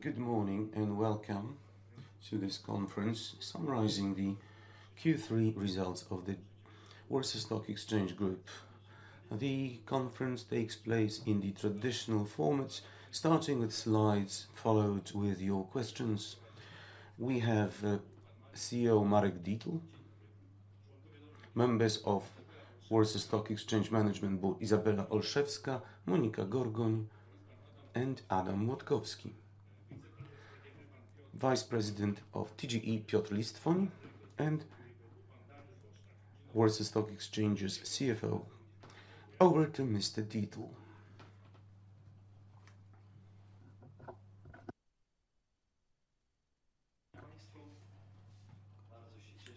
Good morning, and welcome to this conference summarizing the Q3 results of the Warsaw Stock Exchange Group. The conference takes place in the traditional format, starting with slides, followed with your questions. We have CEO Marek Dietl. Members of Warsaw Stock Exchange management board, Izabela Olszewska, Monika Gorgoń, and Adam Młotkowski. Vice President of TGE, Piotr Listwoń, and Warsaw Stock Exchange's CFO. Over to Mr. Dietl.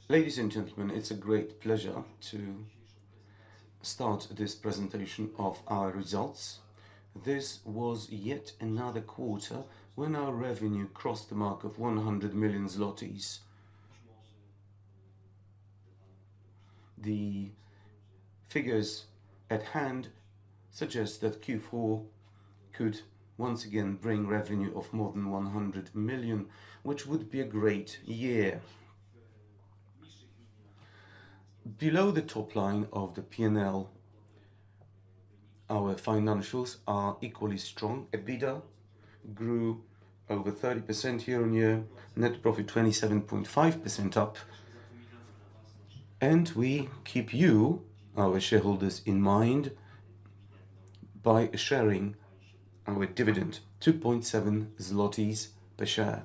Ladies and gentlemen, it's a great pleasure to start this presentation of our results. This was yet another quarter when our revenue crossed the mark of 100 million zlotys. The figures at hand suggest that Q4 could once again bring revenue of more than 100 million, which would be a great year. Below the top line of the P&L, our financials are equally strong. EBITDA grew over 30% year-on-year, net profit 27.5% up, and we keep you, our shareholders, in mind by sharing our dividend, 2.7 zlotys per share.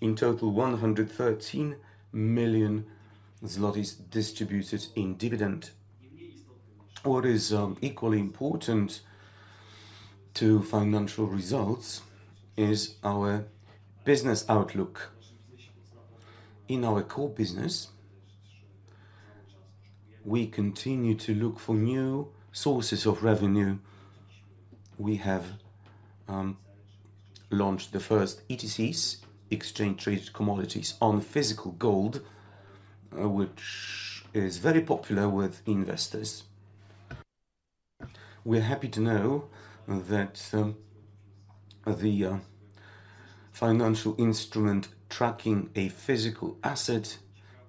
In total, 113 million zlotys distributed in dividend. What is equally important to financial results is our business outlook. In our core business, we continue to look for new sources of revenue. We have launched the first ETCs, Exchange-Traded Commodities, on physical gold, which is very popular with investors. We're happy to know that the financial instrument tracking a physical asset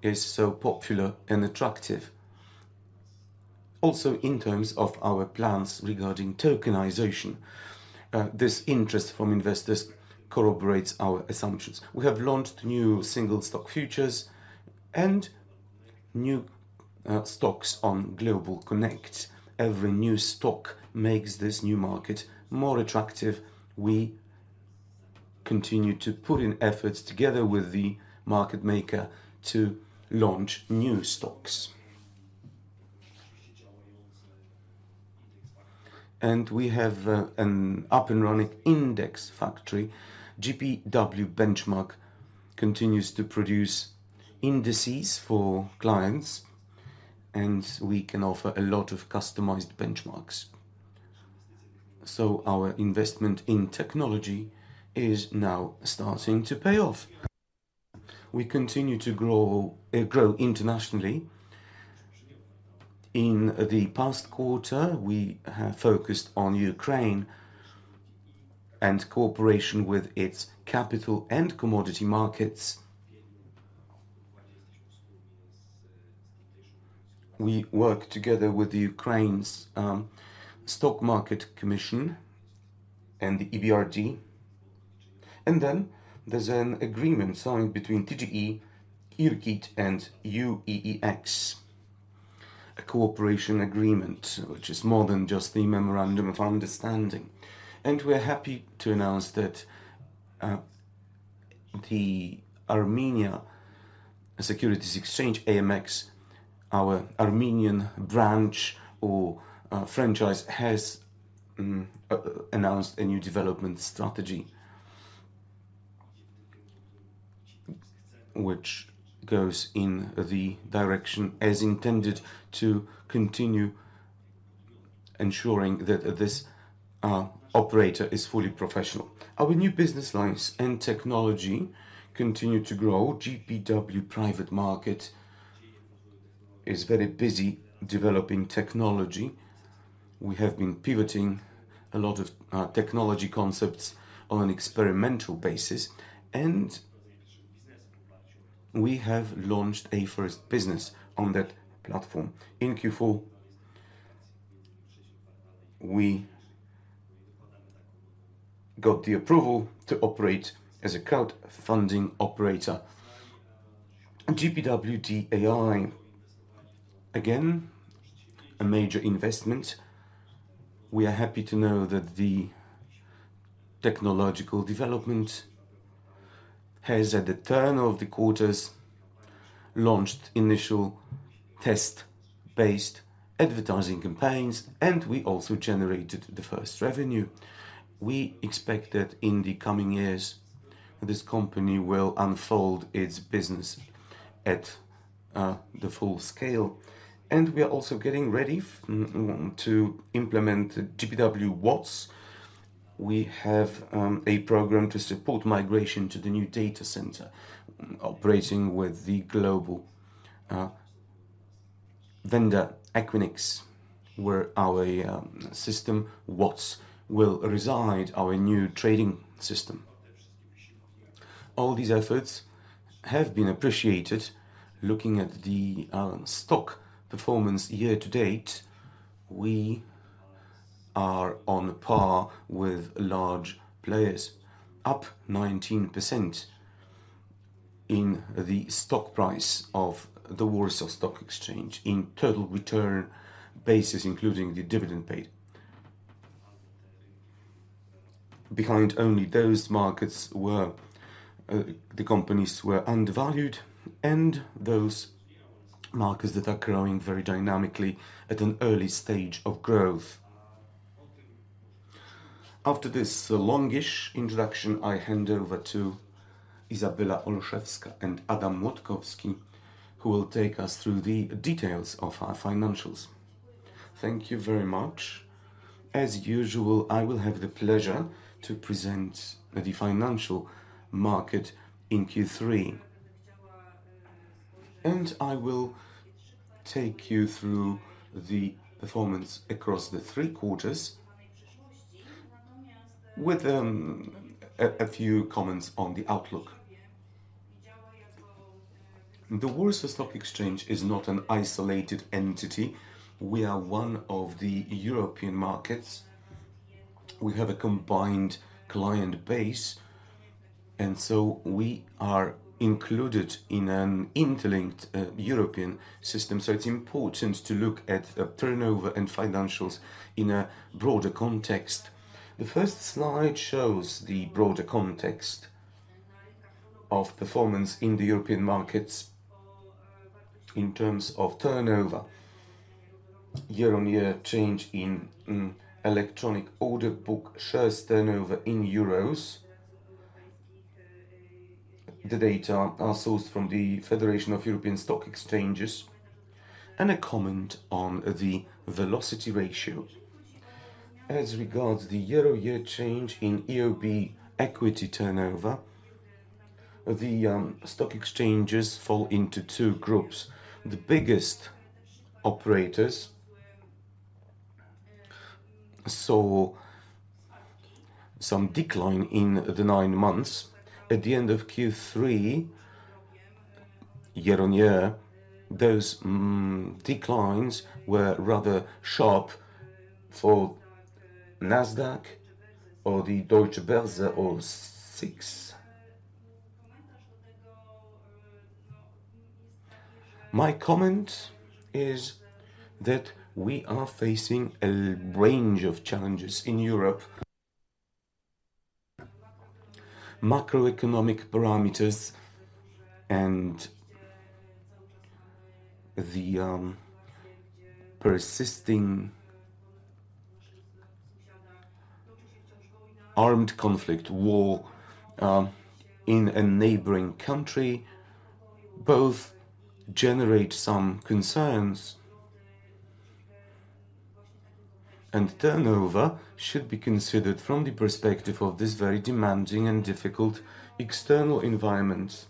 is so popular and attractive. Also, in terms of our plans regarding tokenization, this interest from investors corroborates our assumptions. We have launched new single stock futures and new stocks on GlobalConnect. Every new stock makes this new market more attractive. We continue to put in efforts together with the market maker to launch new stocks. We have an up-and-running index factory. GPW Benchmark continues to produce indices for clients, and we can offer a lot of customized benchmarks, so our investment in technology is now starting to pay off. We continue to grow internationally. In the past quarter, we have focused on Ukraine and cooperation with its capital and commodity markets. We work together with Ukraine's Stock Market Commission and the EBRD. Then there's an agreement signed between TGE, IRGiT, and UEEX, a cooperation agreement, which is more than just the memorandum of understanding. We're happy to announce that the Armenia Securities Exchange, AMX, our Armenian branch or franchise, has announced a new development strategy, which goes in the direction as intended to continue ensuring that this operator is fully professional. Our new business lines and technology continue to grow. GPW Private Market is very busy developing technology. We have been pivoting a lot of technology concepts on an experimental basis, and we have launched a first business on that platform. In Q4, we got the approval to operate as a crowd funding operator. GPW DAI, again, a major investment. We are happy to know that the technological development has, at the turn of the quarters, launched initial test-based advertising campaigns, and we also generated the first revenue. We expect that in the coming years, this company will unfold its business at the full scale. We are also getting ready to implement GPW WATS. We have a program to support migration to the new data center operating with the global system vendor, Equinix, where our system, WATS, will reside, our new trading system. All these efforts have been appreciated. Looking at the stock performance year to date, we are on par with large players, up 19% in the stock price of the Warsaw Stock Exchange in total return basis, including the dividend paid. Behind only those markets where the companies were undervalued, and those markets that are growing very dynamically at an early stage of growth. After this longish introduction, I hand over to Izabela Olszewska and Adam Młotkowski, who will take us through the details of our financials. Thank you very much. As usual, I will have the pleasure to present the financial market in Q3. I will take you through the performance across the three quarters, with a few comments on the outlook. The Warsaw Stock Exchange is not an isolated entity. We are one of the European markets. We have a combined client base, and so we are included in an interlinked European system, so it's important to look at the turnover and financials in a broader context. The first slide shows the broader context of performance in the European markets in terms of turnover, year-on-year change in electronic order book, shares turnover in euros. The data are sourced from the Federation of European Stock Exchanges, and a comment on the velocity ratio. As regards the year-on-year change in EOB equity turnover, the stock exchanges fall into two groups. The biggest operators saw some decline in the nine months. At the end of Q3, year-on-year, those declines were rather sharp for NASDAQ or the Deutsche Börse or SIX. My comment is that we are facing a range of challenges in Europe. Macroeconomic parameters and the persisting armed conflict, war, in a neighboring country, both generate some concerns. Turnover should be considered from the perspective of this very demanding and difficult external environment.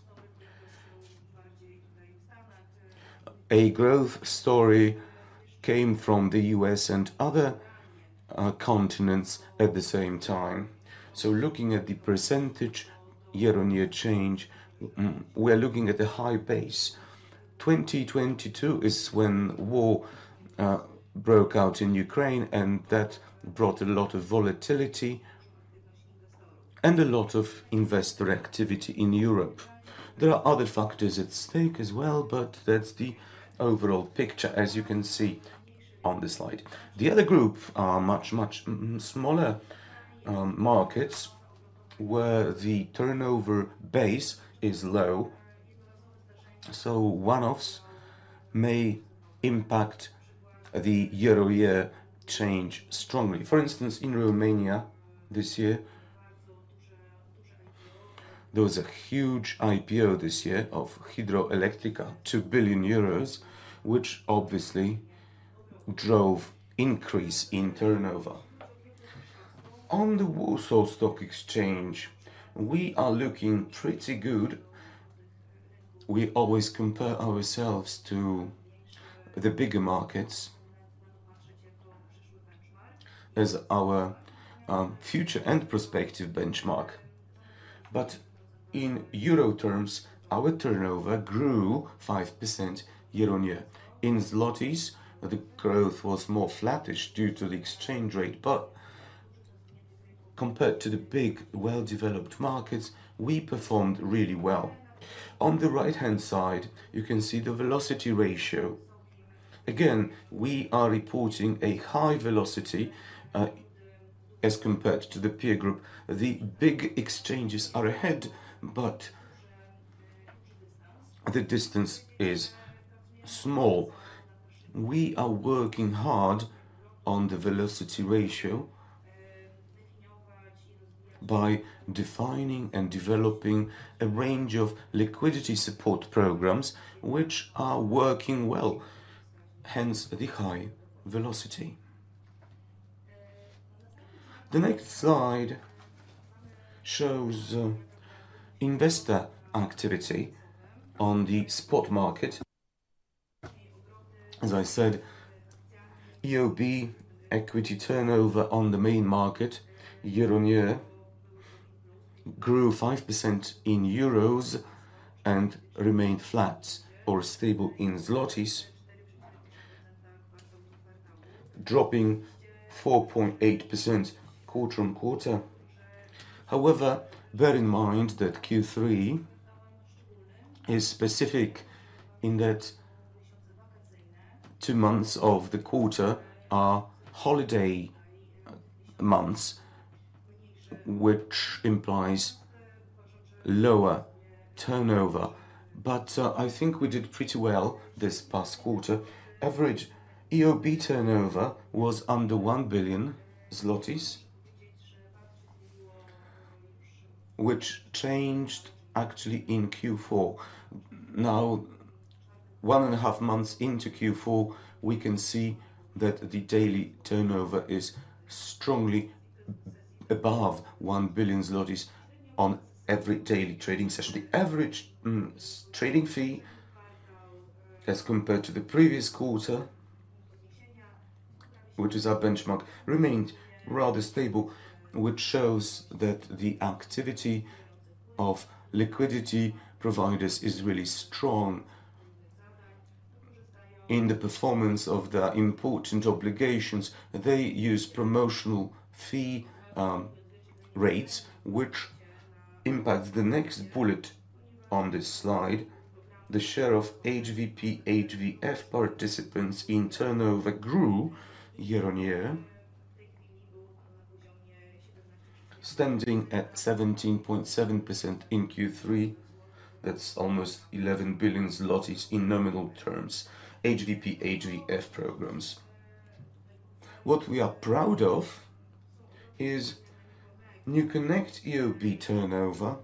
A growth story came from the US and other continents at the same time. Looking at the percentage year-on-year change, we're looking at a high base. 2022 is when war broke out in Ukraine, and that brought a lot of volatility and a lot of investor activity in Europe. There are other factors at stake as well, but that's the overall picture, as you can see on the slide. The other group are much, much smaller markets, where the turnover base is low, so one-offs may impact the year-on-year change strongly. For instance, in Romania this year, there was a huge IPO this year of Hidroelectrica, 2 billion euros, which obviously drove increase in turnover. On the Warsaw Stock Exchange, we are looking pretty good. We always compare ourselves to the bigger markets as our future and prospective benchmark. But in euro terms, our turnover grew 5% year-on-year. In zlotys, the growth was more flattish due to the exchange rate, but compared to the big, well-developed markets, we performed really well. On the right-hand side, you can see the velocity ratio. Again, we are reporting a high velocity as compared to the peer group. The big exchanges are ahead, but the distance is small. We are working hard on the velocity ratio by defining and developing a range of liquidity support programs, which are working well, hence the high velocity. The next slide shows investor activity on the spot market. As I said, EOB equity turnover on the main market year-on-year grew 5% in euros and remained flat or stable in zlotys, dropping 4.8% quarter-on-quarter. However, bear in mind that Q3 is specific in that two months of the quarter are holiday months, which implies lower turnover. But I think we did pretty well this past quarter. Average EOB turnover was under 1 billion zlotys, which changed actually in Q4. Now, one and a half months into Q4, we can see that the daily turnover is strongly above 1 billion zlotys on every daily trading session. The average trading fee, as compared to the previous quarter, which is our benchmark, remained rather stable, which shows that the activity of liquidity providers is really strong. In the performance of the important obligations, they use promotional fee rates, which impacts the next bullet on this slide. The share of HVP, HVF participants in turnover grew year-on-year, standing at 17.7% in Q3. That's almost 11 billion zlotys in nominal terms, HVP, HVF programs. What we are proud of is NewConnect EOB turnover,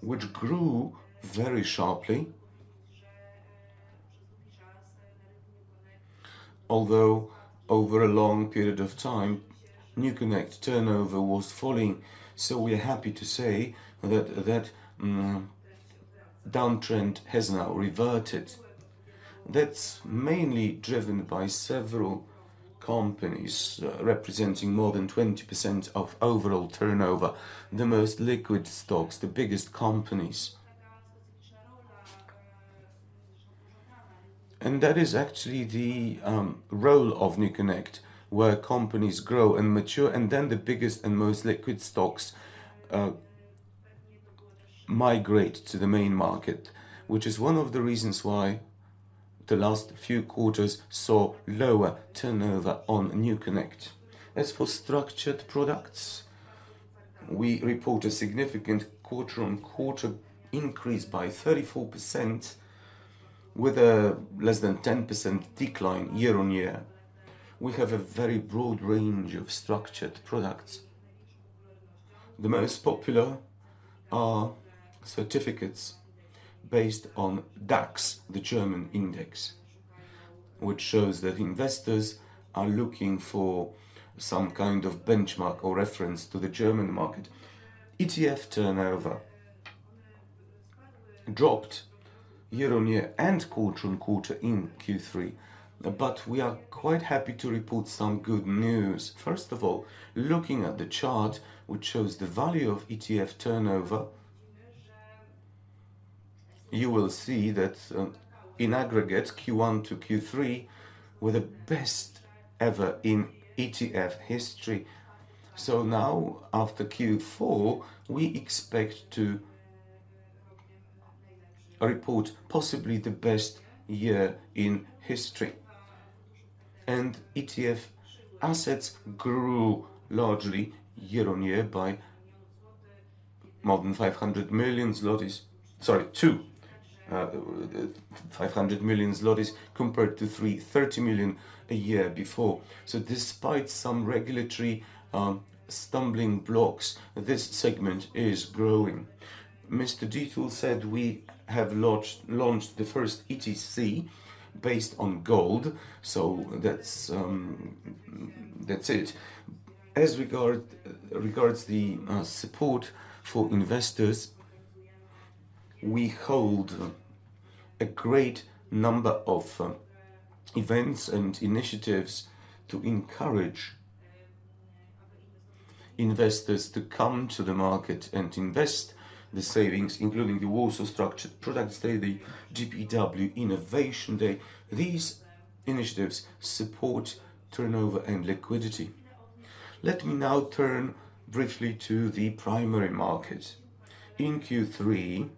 which grew very sharply. Although over a long period of time, NewConnect turnover was falling, so we're happy to say that downtrend has now reverted. That's mainly driven by several companies representing more than 20% of overall turnover, the most liquid stocks, the biggest companies. And that is actually the role of NewConnect, where companies grow and mature, and then the biggest and most liquid stocks migrate to the main market, which is one of the reasons why the last few quarters saw lower turnover on NewConnect. As for structured products, we report a significant quarter-on-quarter increase by 34%, with a less than 10% decline year-on-year. We have a very broad range of structured products. The most popular are certificates based on DAX, the German index, which shows that investors are looking for some kind of benchmark or reference to the German market. ETF turnover dropped year-on-year and quarter-on-quarter in Q3, but we are quite happy to report some good news. First of all, looking at the chart, which shows the value of ETF turnover, you will see that, in aggregate, Q1 to Q3 were the best ever in ETF history. So now, after Q4, we expect to report possibly the best year in history. ETF assets grew largely year-on-year by more than 500 million zlotys. Sorry, 250 million zlotys, compared to 330 million a year before. So despite some regulatory stumbling blocks, this segment is growing. Mr. Dietl said we have launched the first ETC based on gold, so that's it. As regards the support for investors, we hold a great number of events and initiatives to encourage investors to come to the market and invest the savings, including the Warsaw Structured Products Day, the GPW Innovation Day. These initiatives support turnover and liquidity. Let me now turn briefly to the primary market. In Q3,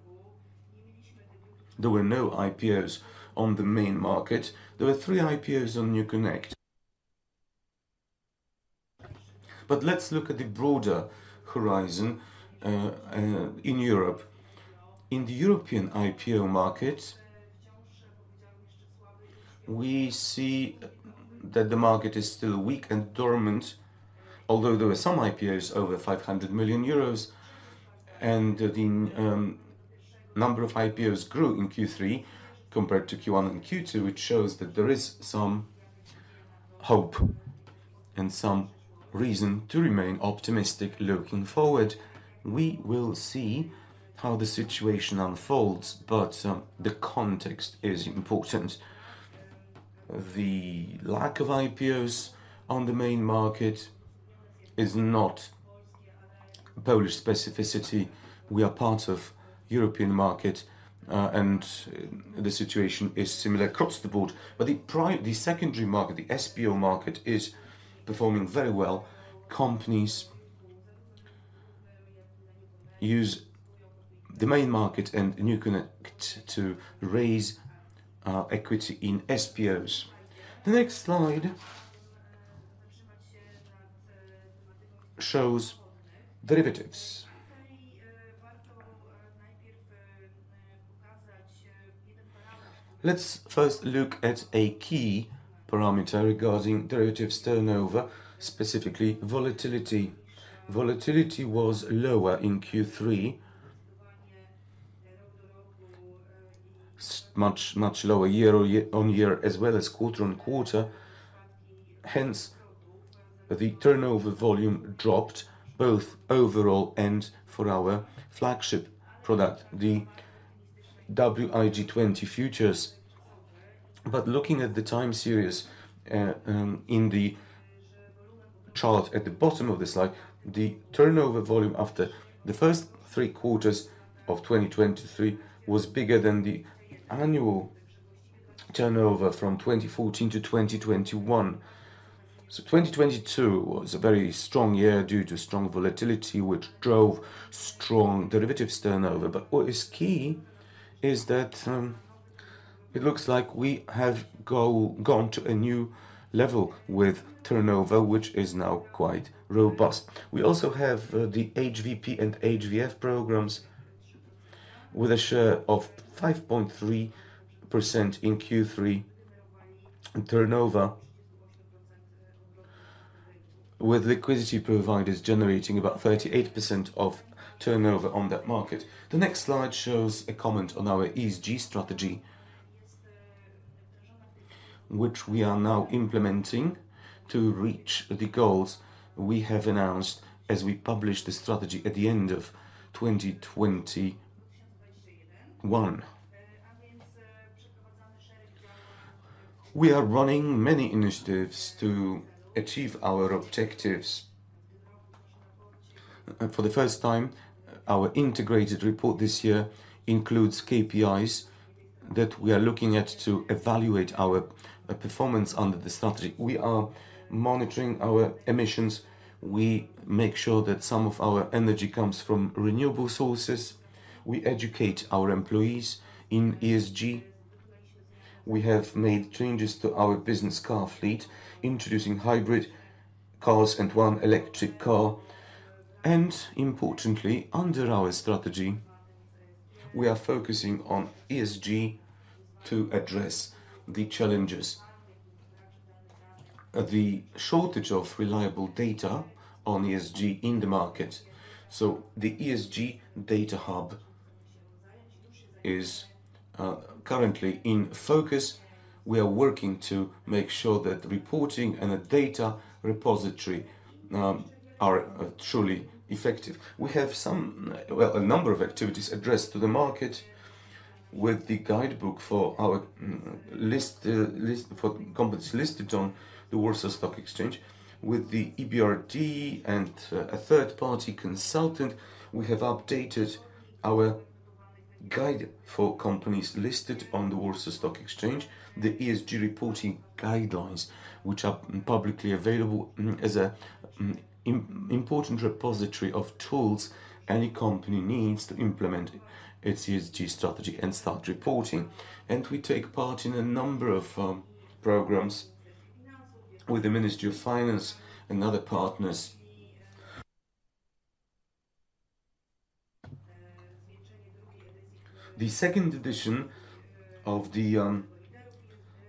there were no IPOs on the main market. There were three IPOs on NewConnect. But let's look at the broader horizon in Europe. In the European IPO market, we see that the market is still weak and dormant, although there were some IPOs over 500 million euros and number of IPOs grew in Q3 compared to Q1 and Q2, which shows that there is some hope and some reason to remain optimistic looking forward. We will see how the situation unfolds, but the context is important. The lack of IPOs on the main market is not Polish specificity. We are part of European market, and the situation is similar across the board. But the secondary market, the SPO market, is performing very well. Companies use the main market and NewConnect to raise equity in SPOs. The next slide shows derivatives. Let's first look at a key parameter regarding derivatives turnover, specifically volatility. Volatility was lower in Q3, much, much lower year on year, as well as quarter on quarter. Hence, the turnover volume dropped both overall and for our flagship product, the WIG20 futures. But looking at the time series, in the chart at the bottom of the slide, the turnover volume after the first three quarters of 2023 was bigger than the annual turnover from 2014 to 2021. So 2022 was a very strong year due to strong volatility, which drove strong derivatives turnover. But what is key is that, it looks like we have gone to a new level with turnover, which is now quite robust. We also have the HVP and HVF programs, with a share of 5.3% in Q3 turnover, with liquidity providers generating about 38% of turnover on that market. The next slide shows a comment on our ESG strategy, which we are now implementing to reach the goals we have announced as we published the strategy at the end of 2021. We are running many initiatives to achieve our objectives. For the first time, our integrated report this year includes KPIs that we are looking at to evaluate our performance under the strategy. We are monitoring our emissions. We make sure that some of our energy comes from renewable sources. We educate our employees in ESG. We have made changes to our business car fleet, introducing hybrid cars and one electric car. Importantly, under our strategy, we are focusing on ESG to address the challenges. The shortage of reliable data on ESG in the market, so the ESG Data Hub is currently in focus. We are working to make sure that the reporting and the data repository are truly effective. We have a number of activities addressed to the market with the guidebook for our listed companies on the Warsaw Stock Exchange. With the EBRD and a third-party consultant, we have updated our guide for companies listed on the Warsaw Stock Exchange, the ESG reporting guidelines, which are publicly available as an important repository of tools any company needs to implement its ESG strategy and start reporting. We take part in a number of programs with the Ministry of Finance and other partners. The second edition of the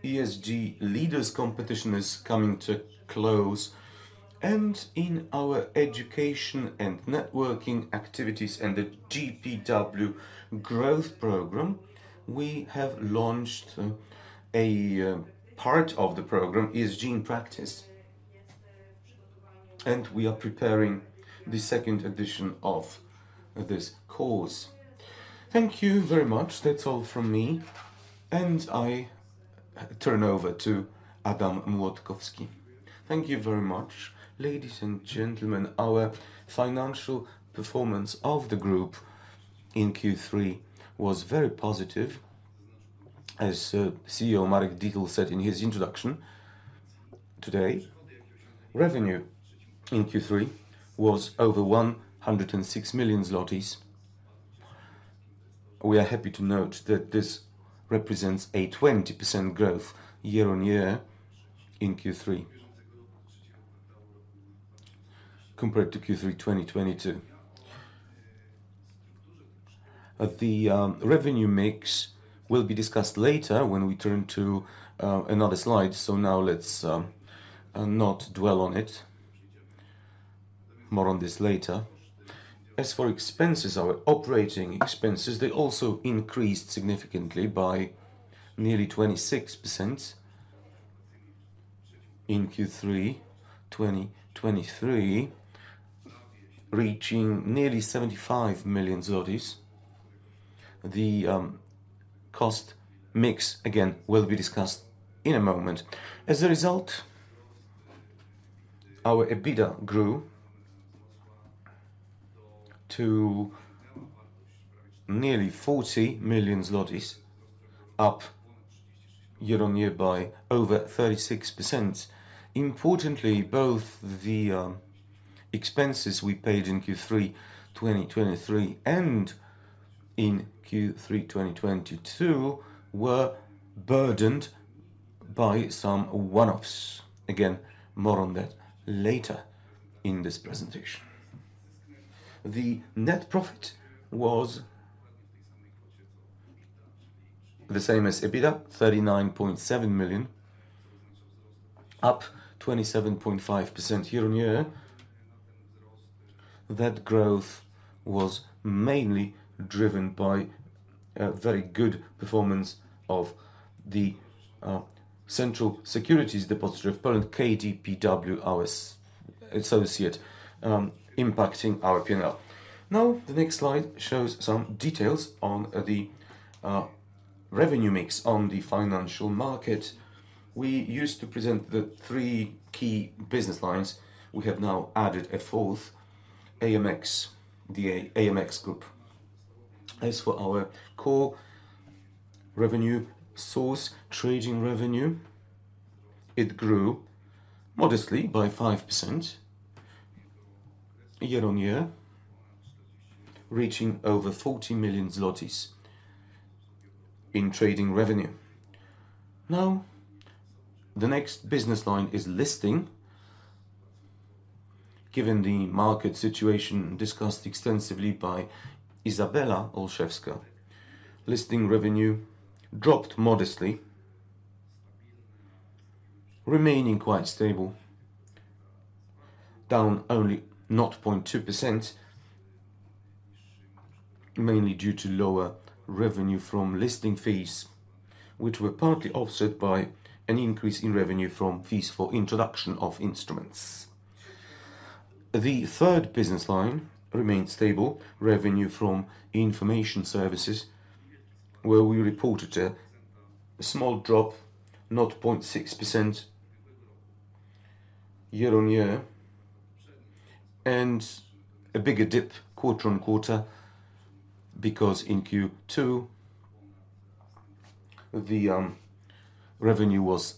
ESG Leaders Competition is coming to close, and in our education and networking activities and the GPW Growth Program, we have launched a part of the program, ESG in Practice, and we are preparing the second edition of this course. Thank you very much. That's all from me, and I turn over to Adam Młotkowski. Thank you very much. Ladies and gentlemen, our financial performance of the group in Q3 was very positive, as CEO Marek Dietl said in his introduction today. Revenue in Q3 was over 106 million zlotys. We are happy to note that this represents a 20% growth year-on-year in Q3 compared to Q3 2022. The revenue mix will be discussed later when we turn to another slide, so now let's not dwell on it. More on this later. As for expenses, our operating expenses, they also increased significantly by nearly 26% in Q3 2023, reaching nearly PLN 75 million. The cost mix, again, will be discussed in a moment. As a result, our EBITDA grew to nearly PLN 40 million, up year-on-year by over 36%. Importantly, both the expenses we paid in Q3 2023 and in Q3 2022 were burdened by some one-offs. Again, more on that later in this presentation. The net profit was the same as EBITDA, 39.7 million, up 27.5% year-on-year. That growth was mainly driven by a very good performance of the Central Securities Depository of Poland, KDPW, our associate, impacting our P&L. Now, the next slide shows some details on the revenue mix on the financial market. We used to present the three key business lines. We have now added a fourth, AMX, the AMX Group. As for our core revenue source, trading revenue, it grew modestly by 5% year-on-year, reaching over 40 million zlotys in trading revenue. Now, the next business line is listing. Given the market situation discussed extensively by Izabela Olszewska, listing revenue dropped modestly, remaining quite stable, down only 0.2%, mainly due to lower revenue from listing fees, which were partly offset by an increase in revenue from fees for introduction of instruments. The third business line remains stable. Revenue from information services, where we reported a small drop, 0.6% year-over-year, and a bigger dip quarter-over-quarter, because in Q2, the revenue was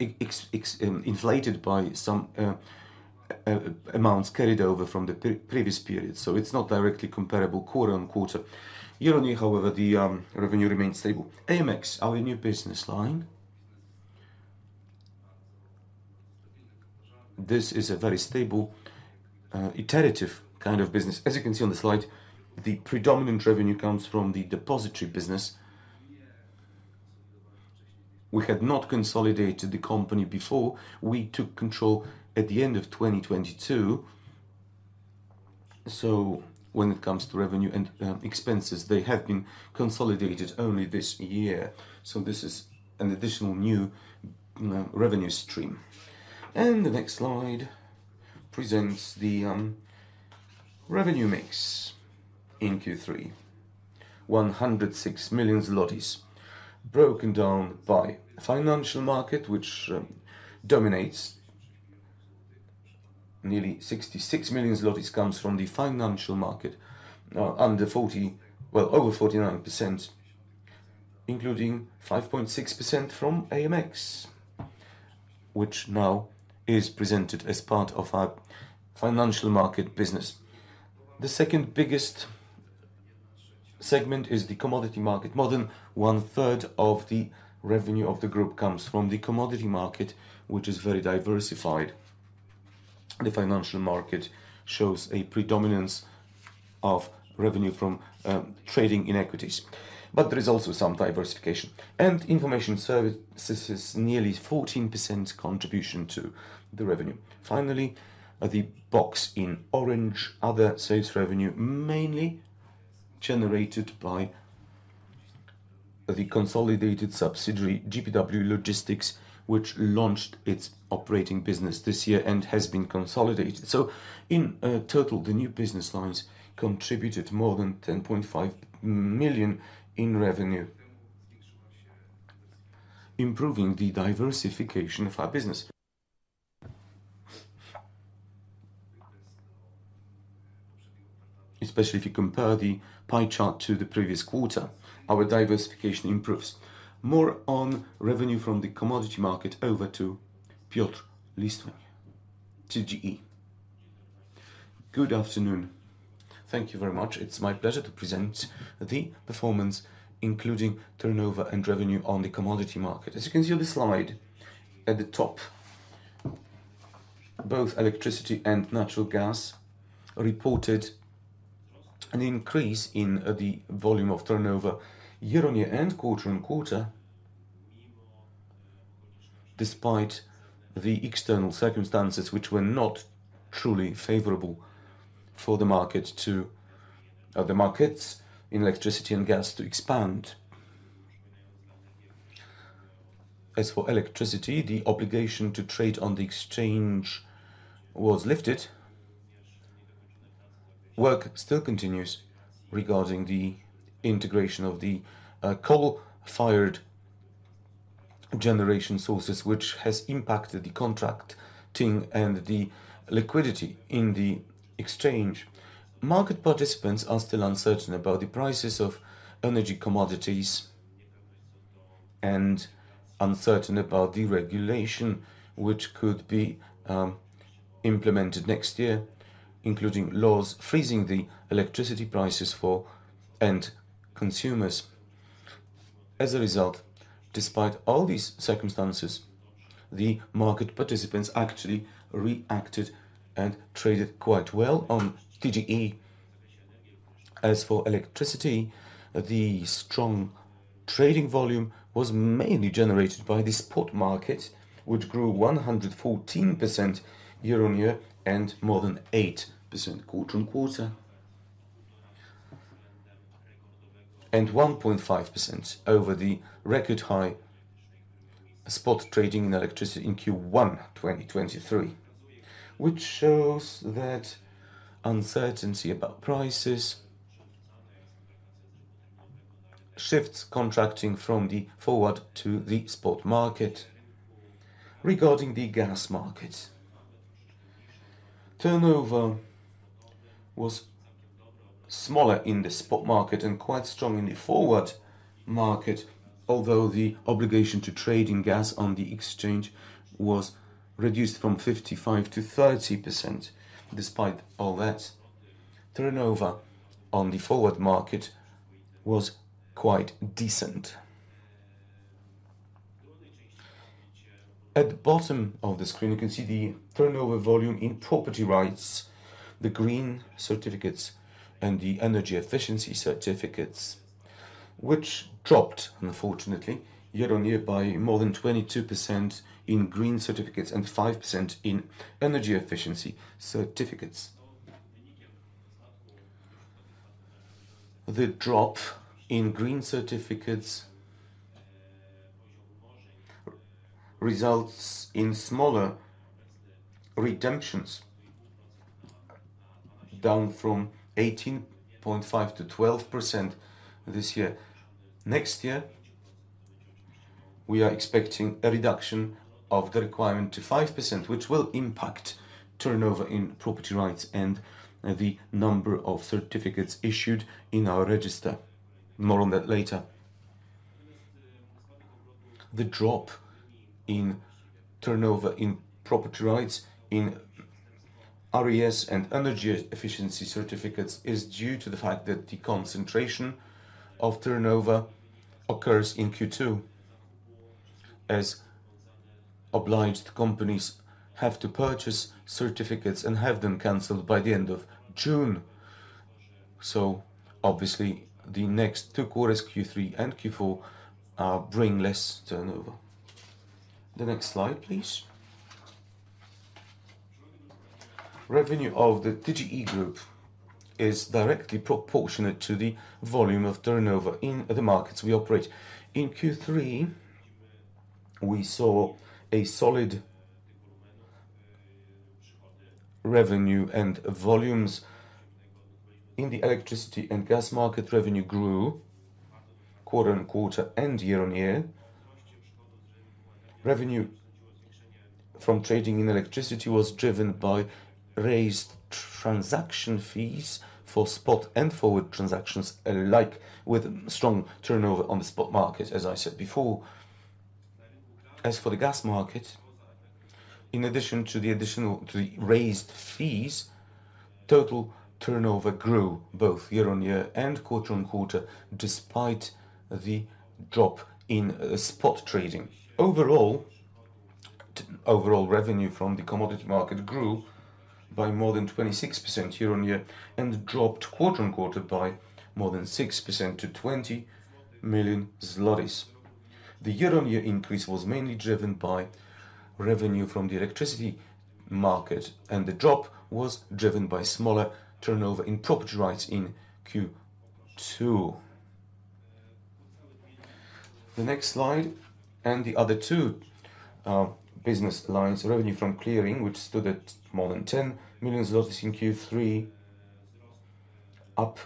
inflated by some amounts carried over from the previous period, so it's not directly comparable quarter-over-quarter. Year-over-year, however, the revenue remains stable. AMX, our new business line, this is a very stable, iterative kind of business. As you can see on the slide, the predominant revenue comes from the depository business. We had not consolidated the company before. We took control at the end of 2022, so when it comes to revenue and expenses, they have been consolidated only this year. So this is an additional new revenue stream. And the next slide presents the revenue mix in Q3. 106 million zlotys, broken down by financial market, which dominates. Nearly 66 million zlotys comes from the financial market, under forty... Well, over 49%, including 5.6% from AMX, which now is presented as part of our financial market business. The second biggest segment is the commodity market. More than one-third of the revenue of the group comes from the commodity market, which is very diversified. The financial market shows a predominance of revenue from trading in equities, but there is also some diversification. Information services, nearly 14% contribution to the revenue. Finally, the box in orange, other sales revenue, mainly generated by the consolidated subsidiary, GPW Logistics, which launched its operating business this year and has been consolidated. So in total, the new business lines contributed more than 10.5 million in revenue, improving the diversification of our business. Especially if you compare the pie chart to the previous quarter, our diversification improves. More on revenue from the commodity market, over to Piotr Listwoń of TGE. Good afternoon. Thank you very much. It's my pleasure to present the performance, including turnover and revenue on the commodity market. As you can see on the slide, at the top. Both electricity and natural gas reported an increase in the volume of turnover year-on-year and quarter-on-quarter, despite the external circumstances, which were not truly favorable for the market to the markets in electricity and gas to expand. As for electricity, the obligation to trade on the exchange was lifted. Work still continues regarding the integration of the coal-fired generation sources, which has impacted the contracting and the liquidity in the exchange. Market participants are still uncertain about the prices of energy commodities and uncertain about the regulation, which could be implemented next year, including laws freezing the electricity prices for end consumers. As a result, despite all these circumstances, the market participants actually reacted and traded quite well on TGE. As for electricity, the strong trading volume was mainly generated by the spot market, which grew 114% year-over-year and more than 8% quarter-over-quarter, and 1.5% over the record high spot trading in electricity in Q1 2023, which shows that uncertainty about prices shifts contracting from the forward to the spot market. Regarding the gas market, turnover was smaller in the spot market and quite strong in the forward market, although the obligation to trade in gas on the exchange was reduced from 55 to 30%. Despite all that, turnover on the forward market was quite decent. At the bottom of the screen, you can see the turnover volume in property rights, the green certificates, and the energy efficiency certificates, which dropped unfortunately, year-over-year by more than 22% in green certificates and 5% in energy efficiency certificates. The drop in green certificates results in smaller redemptions, down from 18.5% to 12% this year. Next year, we are expecting a reduction of the requirement to 5%, which will impact turnover in property rights and the number of certificates issued in our register. More on that later. The drop in turnover in property rights in RES and energy efficiency certificates is due to the fact that the concentration of turnover occurs in Q2, as obliged companies have to purchase certificates and have them canceled by the end of June. So obviously, the next two quarters, Q3 and Q4, bring less turnover. The next slide, please. Revenue of the TGE group is directly proportionate to the volume of turnover in the markets we operate. In Q3, we saw a solid revenue and volumes. In the electricity and gas market, revenue grew quarter-on-quarter and year-on-year. Revenue from trading in electricity was driven by raised transaction fees for spot and forward transactions alike, with strong turnover on the spot market, as I said before. As for the gas market, in addition to the additional... The raised fees, total turnover grew both year-on-year and quarter-on-quarter, despite the drop in spot trading. Overall, overall revenue from the commodity market grew by more than 26% year-on-year and dropped quarter-on-quarter by more than 6% to 20 million zlotys. The year-on-year increase was mainly driven by revenue from the electricity market, and the drop was driven by smaller turnover in property rights in Q2. The next slide and the other two business lines. Revenue from clearing, which stood at more than 10 million zlotys in Q3, up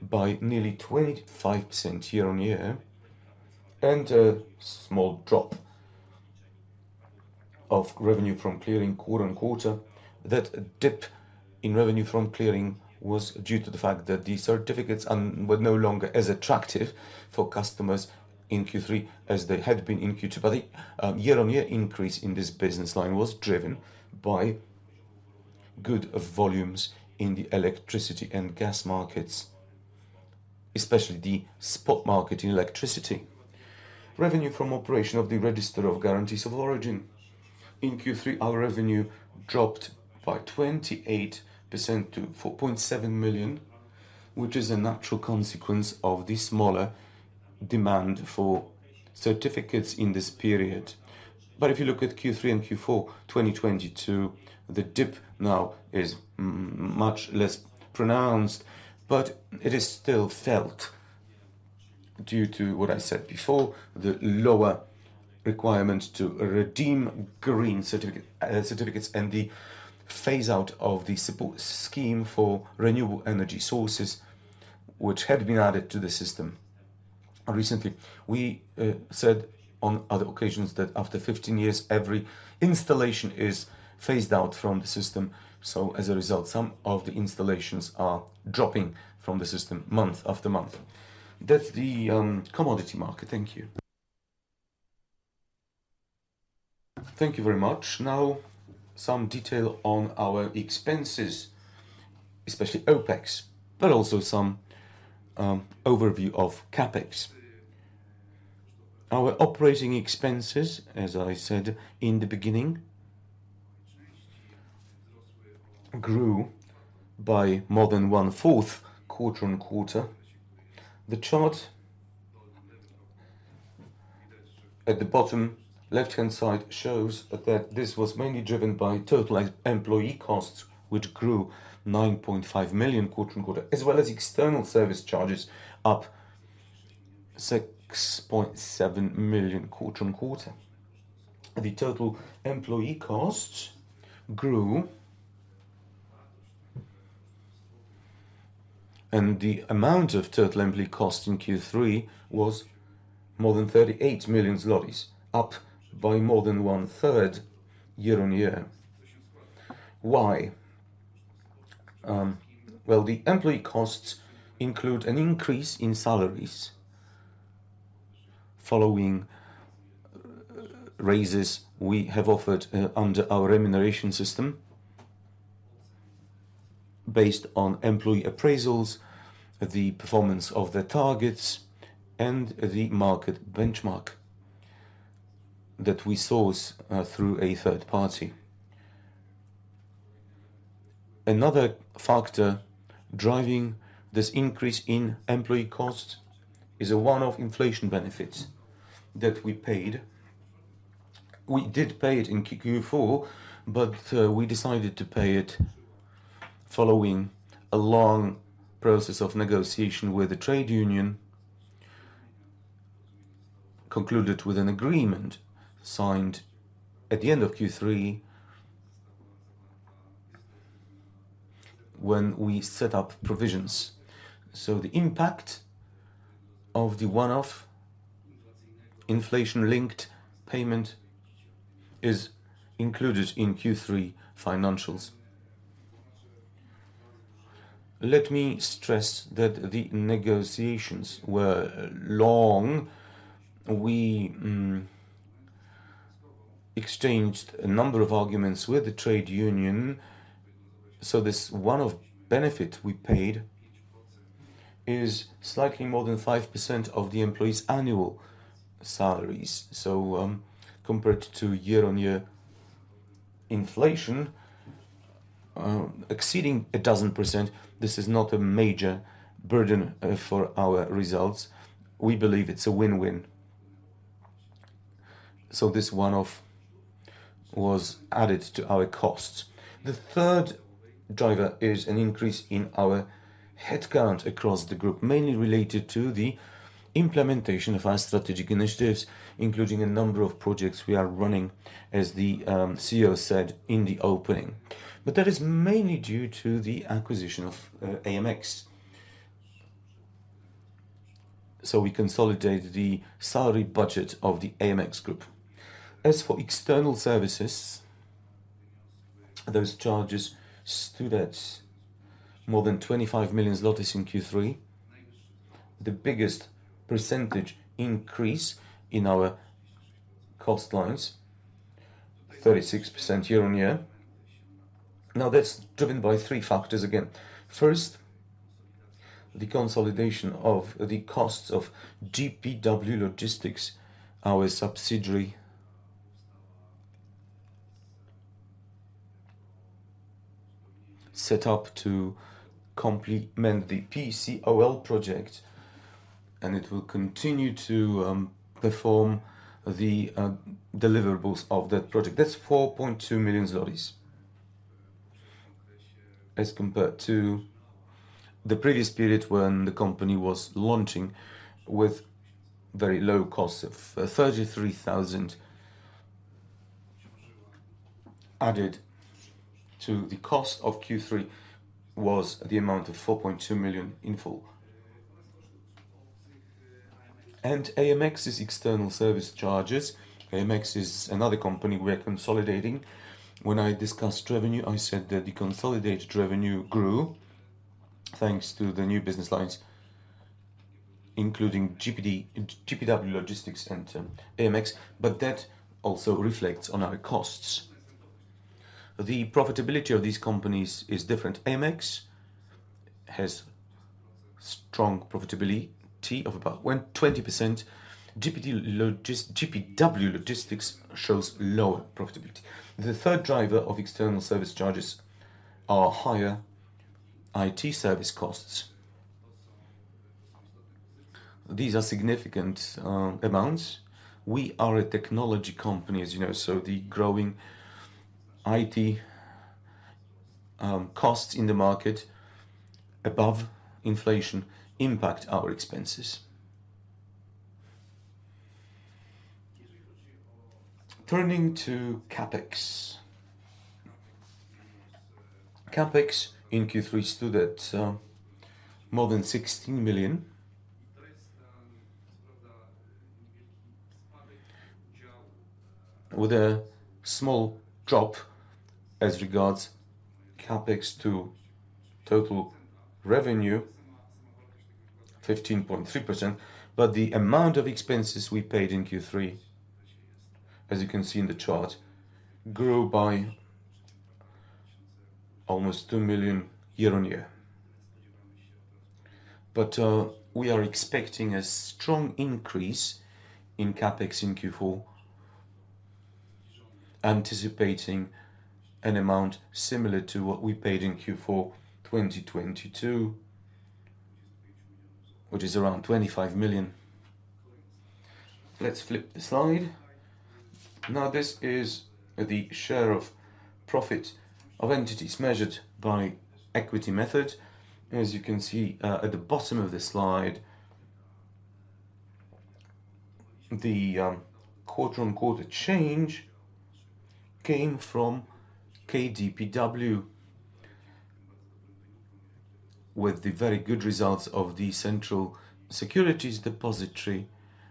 by nearly 25% year-on-year, and a small drop of revenue from clearing quarter-on-quarter. That dip in revenue from clearing was due to the fact that the certificates were no longer as attractive for customers in Q3 as they had been in Q2. But the year-on-year increase in this business line was driven by good volumes in the electricity and gas markets... especially the spot market in electricity. Revenue from operation of the register of guarantees of origin. In Q3, our revenue dropped by 28% to 4.7 million, which is a natural consequence of the smaller demand for certificates in this period. But if you look at Q3 and Q4, 2022, the dip now is much less pronounced, but it is still felt due to what I said before, the lower requirement to redeem green certificates and the phase out of the support scheme for renewable energy sources, which had been added to the system recently. We said on other occasions that after 15 years, every installation is phased out from the system. As a result, some of the installations are dropping from the system month after month. That's the commodity market. Thank you. Thank you very much. Now, some detail on our expenses, especially OpEx, but also some overview of CapEx. Our operating expenses, as I said in the beginning, grew by more than 1/4 quarter-on-quarter. The chart at the bottom left-hand side shows that this was mainly driven by total employee costs, which grew 9.5 million quarter-on-quarter, as well as external service charges, up 6.7 million quarter-on-quarter. The total employee costs grew, and the amount of total employee cost in Q3 was more than 38 million zlotys, up by more than one-third year-on-year. Why? Well, the employee costs include an increase in salaries following raises we have offered under our remuneration system based on employee appraisals, the performance of their targets, and the market benchmark that we source through a third party. Another factor driving this increase in employee cost is a one-off inflation benefit that we paid. We did pay it in Q4, but we decided to pay it following a long process of negotiation with the trade union, concluded with an agreement signed at the end of Q3 when we set up provisions. So the impact of the one-off inflation-linked payment is included in Q3 financials. Let me stress that the negotiations were long. We exchanged a number of arguments with the trade union, so this one-off benefit we paid is slightly more than 5% of the employees' annual salaries. So, compared to year-on-year inflation exceeding 1,000%, this is not a major burden for our results. We believe it's a win-win. This one-off was added to our costs. The third driver is an increase in our headcount across the group, mainly related to the implementation of our strategic initiatives, including a number of projects we are running, as the CEO said in the opening. But that is mainly due to the acquisition of AMX. We consolidated the salary budget of the AMX group. As for external services, those charges stood at more than 25 million zlotys in Q3. The biggest percentage increase in our cost lines, 36% year-on-year. Now, that's driven by three factors again. First, the consolidation of the costs of GPW Logistics, our subsidiary, set up to complement the PCOL project, and it will continue to perform the deliverables of that project. That's 4.2 million zlotys. As compared to the previous period, when the company was launching with very low costs of 33,000 added to the cost of Q3, was the amount of 4.2 million in full. And AMX's external service charges. AMX is another company we are consolidating. When I discussed revenue, I said that the consolidated revenue grew, thanks to the new business lines, including GPW Logistics and AMX, but that also reflects on our costs. The profitability of these companies is different. AMX has strong profitability of about 20%. GPW Logistics shows lower profitability. The third driver of external service charges are higher IT service costs. These are significant amounts. We are a technology company, as you know, so the growing IT costs in the market above inflation impact our expenses. Turning to CapEx. CapEx in Q3 stood at more than PLN 16 million, with a small drop as regards CapEx to total revenue, 15.3%, but the amount of expenses we paid in Q3, as you can see in the chart, grew by almost PLN 2 million year-on-year. But we are expecting a strong increase in CapEx in Q4, anticipating an amount similar to what we paid in Q4 2022, which is around 25 million. Let's flip the slide. Now, this is the share of profit of entities measured by equity method. As you can see, at the bottom of the slide, the quote-unquote "change" came from KDPW, with the very good results of the Central Securities Depository,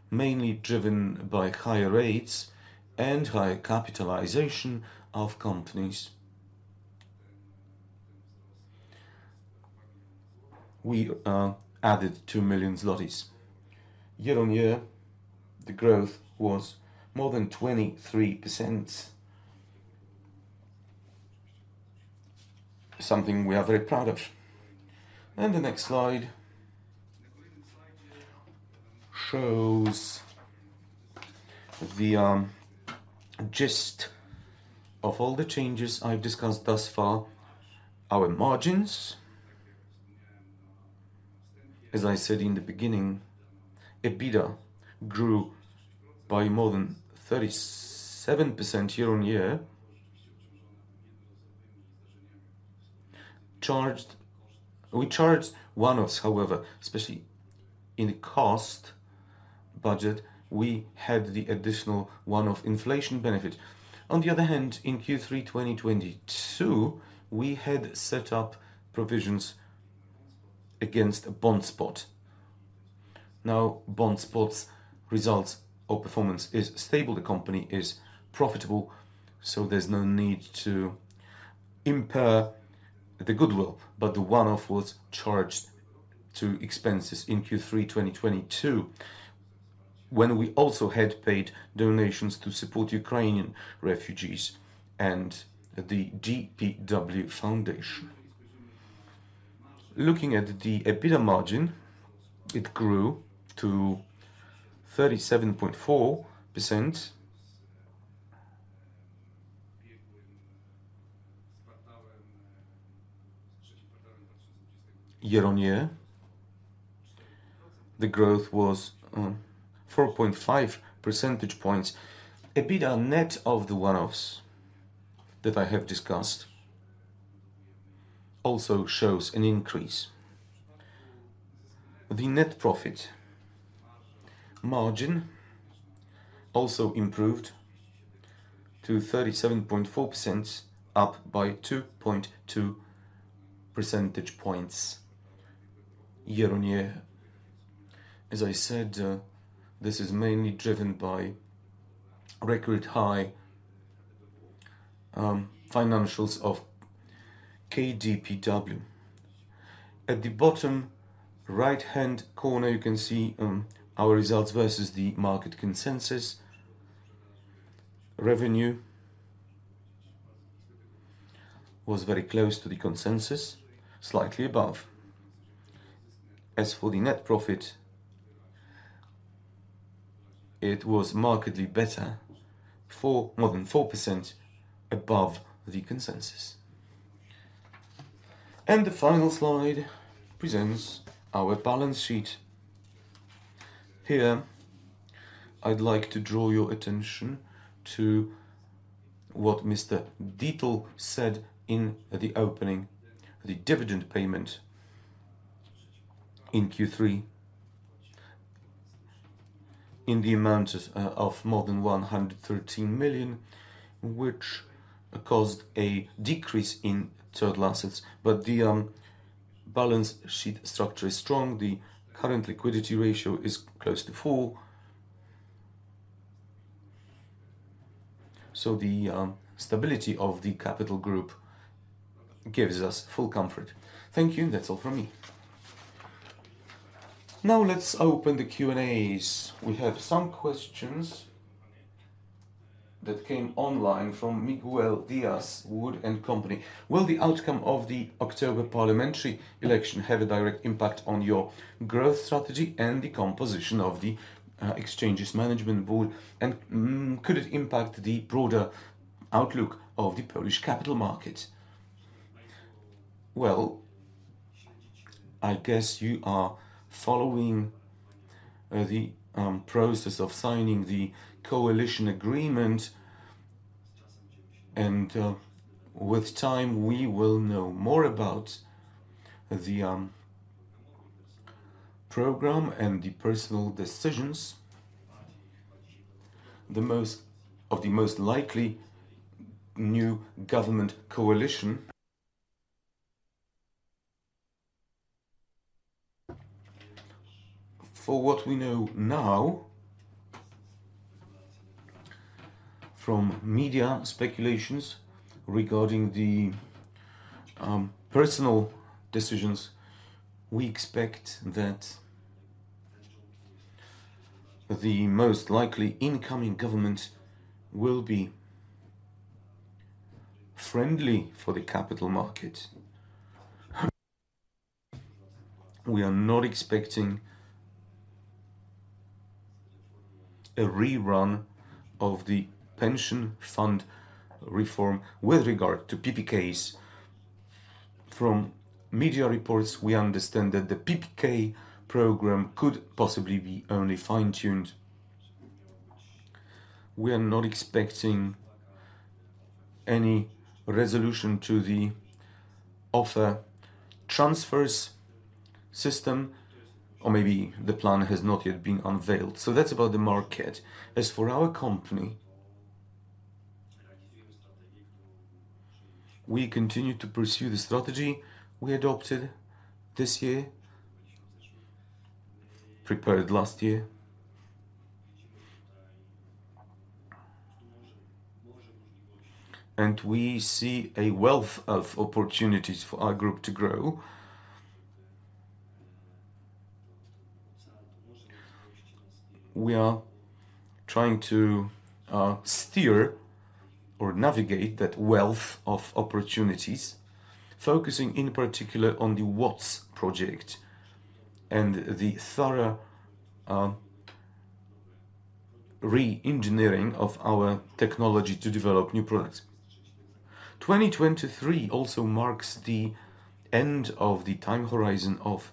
mainly driven by higher rates and higher capitalization of companies. We added 2 million zlotys. Year-on-year, the growth was more than 23%. Something we are very proud of. The next slide shows the gist of all the changes I've discussed thus far. Our margins, as I said in the beginning, EBITDA grew by more than 37% year-on-year. Charged... We charged one-offs, however, especially in cost budget, we had the additional one-off inflation benefit. On the other hand, in Q3 2022, we had set up provisions against BondSpot. Now, BondSpot's results or performance is stable. The company is profitable, so there's no need to impair the goodwill, but the one-off was charged to expenses in Q3 2022, when we also had paid donations to support Ukrainian refugees and the KDPW Foundation. Looking at the EBITDA margin, it grew to 37.4% year-on-year. The growth was four point five percentage points. EBITDA net of the one-offs that I have discussed also shows an increase. The net profit margin also improved to 37.4%, up by 2.2% year-on-year. As I said, this is mainly driven by record high financials of KDPW. At the bottom right-hand corner, you can see our results versus the market consensus. Revenue was very close to the consensus, slightly above. As for the net profit, it was markedly better, more than 4% above the consensus. The final slide presents our balance sheet. Here, I'd like to draw your attention to what Mr. Dietl said in the opening. The dividend payment in Q3, in the amount of more than 113 million, which caused a decrease in total assets, but the balance sheet structure is strong. The current liquidity ratio is close to 4. So the stability of the capital group gives us full comfort. Thank you. That's all from me.... Now let's open the Q&As. We have some questions that came online from Miguel Diaz, Wood & Company. Will the outcome of the October parliamentary election have a direct impact on your growth strategy and the composition of the Exchange's management board? And could it impact the broader outlook of the Polish capital market? Well, I guess you are following the process of signing the coalition agreement, and with time, we will know more about the program and the personal decisions of the most likely new government coalition. For what we know now, from media speculations regarding the personal decisions, we expect that the most likely incoming government will be friendly for the capital market. We are not expecting a rerun of the pension fund reform with regard to PPKs. From media reports, we understand that the PPK program could possibly be only fine-tuned. We are not expecting any resolution to the offer transfers system, or maybe the plan has not yet been unveiled. So that's about the market. As for our company, we continue to pursue the strategy we adopted this year, prepared last year. We see a wealth of opportunities for our group to grow. We are trying to steer or navigate that wealth of opportunities, focusing in particular on the WATS project and the thorough re-engineering of our technology to develop new products. 2023 also marks the end of the time horizon of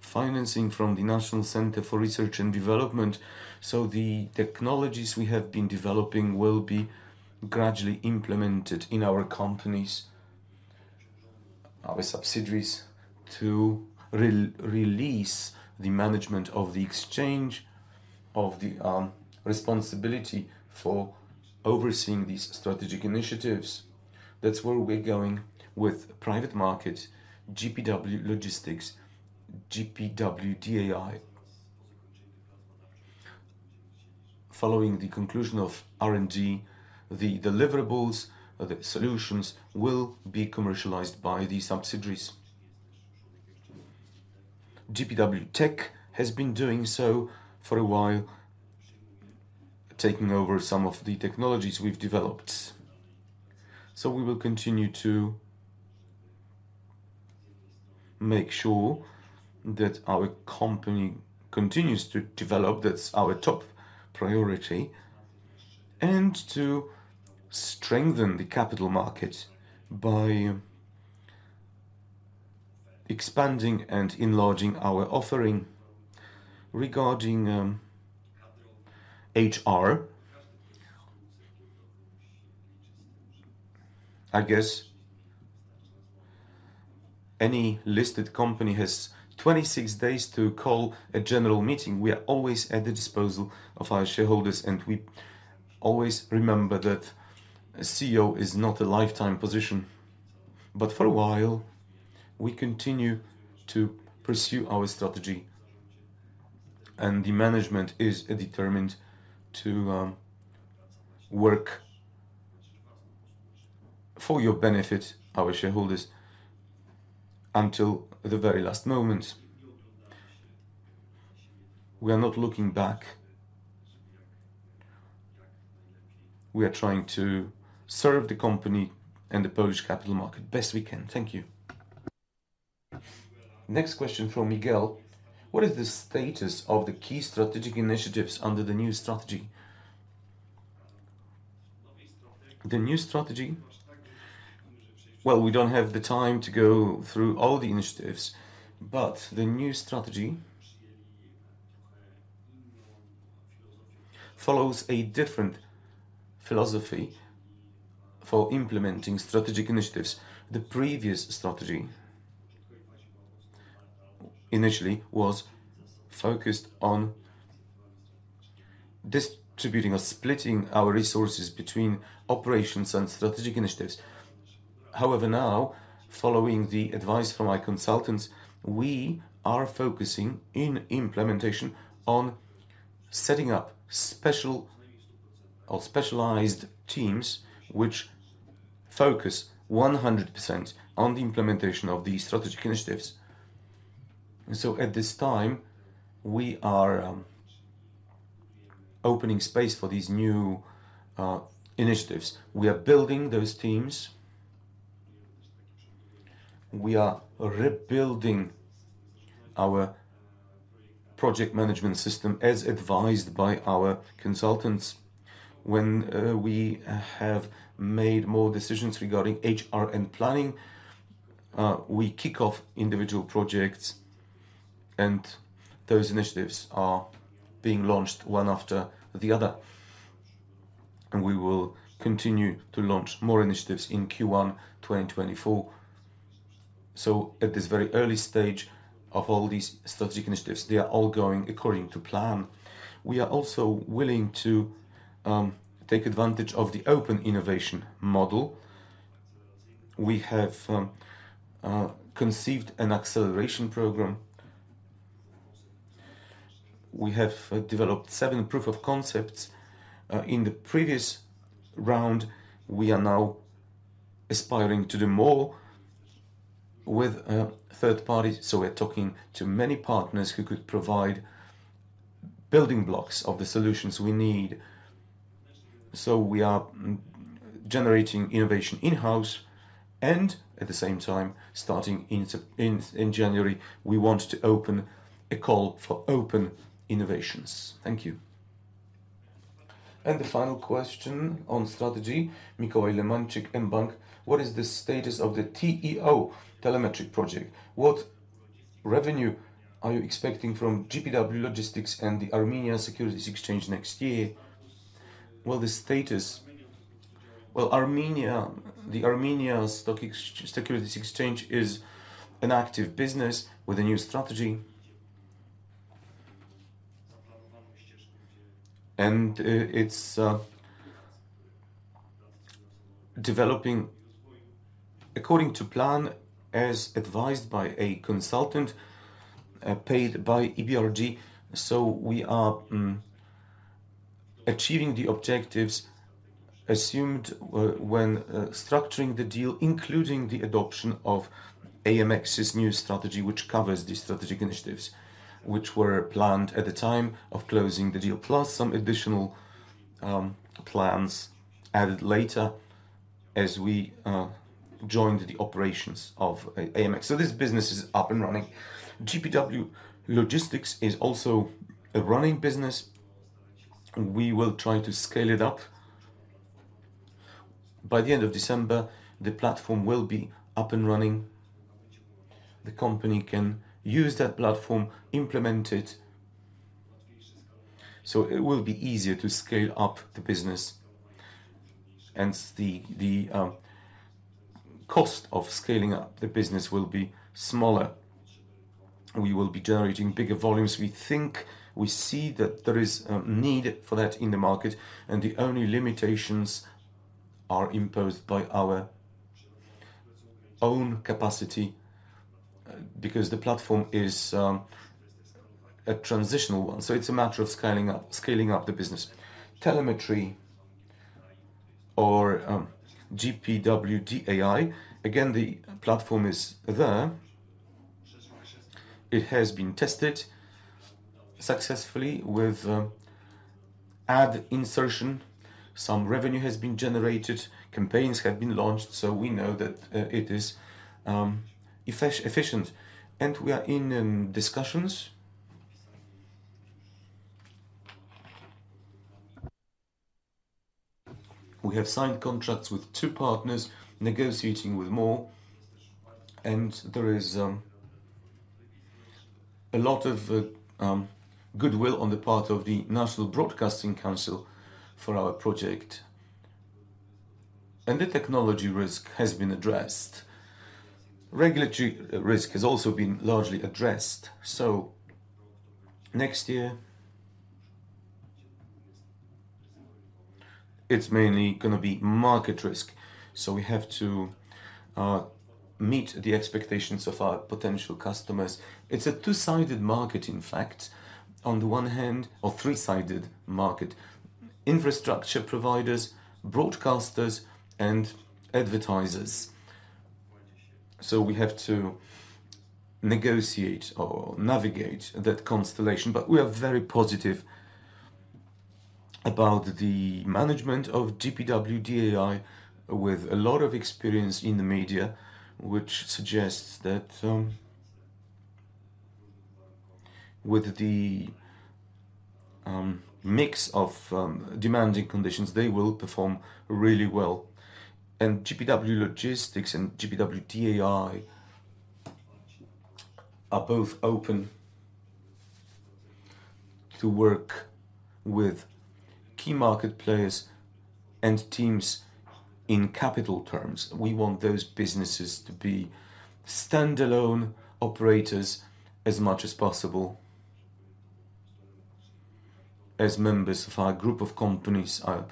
financing from the National Center for Research and Development, so the technologies we have been developing will be gradually implemented in our companies, our subsidiaries, to release the management of the exchange of the responsibility for overseeing these strategic initiatives. That's where we're going with private market, GPW Logistics, GPW DAI. Following the conclusion of R&D, the deliverables or the solutions will be commercialized by the subsidiaries. GPW Tech has been doing so for a while, taking over some of the technologies we've developed. So we will continue to make sure that our company continues to develop. That's our top priority, and to strengthen the capital market by expanding and enlarging our offering. Regarding HR, I guess any listed company has 26 days to call a general meeting. We are always at the disposal of our shareholders, and we always remember that a CEO is not a lifetime position, but for a while we continue to pursue our strategy, and the management is determined to work for your benefit, our shareholders, until the very last moment. We are not looking back. We are trying to serve the company and the Polish capital market best we can. Thank you. Next question from Miguel: What is the status of the key strategic initiatives under the new strategy? The new strategy... Well, we don't have the time to go through all the initiatives, but the new strategy follows a different philosophy for implementing strategic initiatives. The previous strategy initially was focused on distributing or splitting our resources between operations and strategic initiatives. However, now, following the advice from my consultants, we are focusing in implementation on setting up special or specialized teams which focus 100% on the implementation of these strategic initiatives. And so at this time, we are opening space for these new initiatives. We are building those teams. We are rebuilding our project management system as advised by our consultants. When we have made more decisions regarding HR and planning, we kick off individual projects, and those initiatives are being launched one after the other. And we will continue to launch more initiatives in Q1, 2024. So at this very early stage of all these strategic initiatives, they are all going according to plan. We are also willing to take advantage of the open innovation model. We have conceived an acceleration program. We have developed seven proof of concepts in the previous round. We are now aspiring to do more with third parties, so we're talking to many partners who could provide building blocks of the solutions we need. So we are generating innovation in-house and at the same time, starting in January, we want to open a call for open innovations. Thank you. And the final question on strategy, Mikołaj Lemańczyk, mBank: What is the status of the TEO Telemetric project? What revenue are you expecting from GPW Logistics and the Armenian Securities Exchange next year? Well, the status... Well, Armenia, the Armenia Securities Exchange is an active business with a new strategy. It's developing according to plan, as advised by a consultant paid by EBRD. We are achieving the objectives assumed when structuring the deal, including the adoption of AMX's new strategy, which covers the strategic initiatives, which were planned at the time of closing the deal, plus some additional plans added later as we joined the operations of AMX. This business is up and running. GPW Logistics is also a running business. We will try to scale it up. By the end of December, the platform will be up and running. The company can use that platform, implement it, so it will be easier to scale up the business, and the cost of scaling up the business will be smaller. We will be generating bigger volumes. We think we see that there is a need for that in the market, and the only limitations are imposed by our own capacity, because the platform is a transitional one, so it's a matter of scaling up, scaling up the business. Telemetry or GPW DAI, again, the platform is there. It has been tested successfully with ad insertion. Some revenue has been generated, campaigns have been launched, so we know that it is efficient, and we are in discussions. We have signed contracts with two partners, negotiating with more, and there is a lot of goodwill on the part of the National Broadcasting Council for our project. And the technology risk has been addressed. Regulatory risk has also been largely addressed, so next year, it's mainly going to be market risk. So we have to meet the expectations of our potential customers. It's a two-sided market, in fact. On the one hand... Or three-sided market: infrastructure providers, broadcasters, and advertisers. So we have to negotiate or navigate that constellation, but we are very positive about the management of GPW DAI with a lot of experience in the media, which suggests that with the mix of demanding conditions, they will perform really well. GPW Logistics and GPW DAI are both open to work with key market players and teams in capital terms. We want those businesses to be standalone operators as much as possible as members of our group of companies, our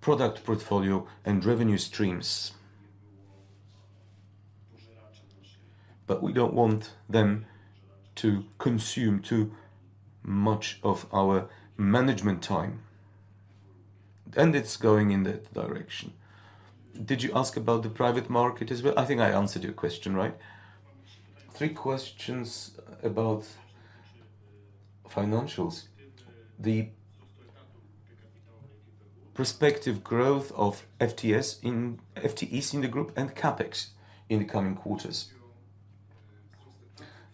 product portfolio and revenue streams.... but we don't want them to consume too much of our management time, and it's going in that direction. Did you ask about the private market as well? I think I answered your question, right? Three questions about financials. The prospective growth of FTEs in the group and CapEx in the coming quarters.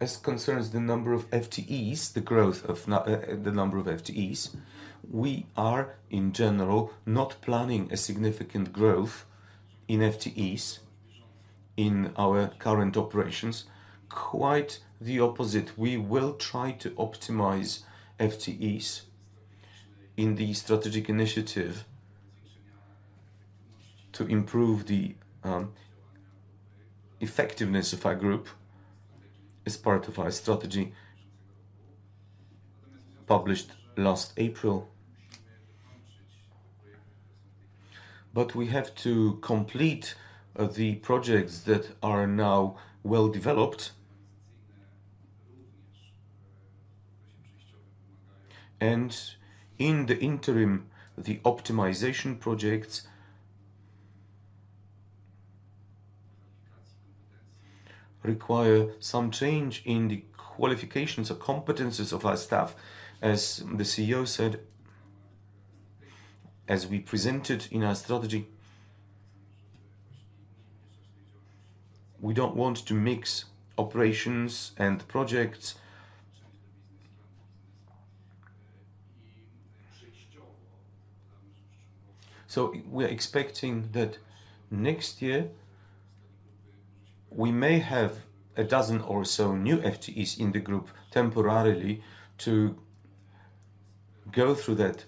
As concerns the number of FTEs, the growth of the number of FTEs, we are, in general, not planning a significant growth in FTEs in our current operations. Quite the opposite, we will try to optimize FTEs in the strategic initiative to improve the effectiveness of our group as part of our strategy, published last April. But we have to complete the projects that are now well-developed. And in the interim, the optimization projects require some change in the qualifications or competencies of our staff, as the CEO said, as we presented in our strategy. We don't want to mix operations and projects. So we're expecting that next year, we may have a dozen or so new FTEs in the group temporarily to go through that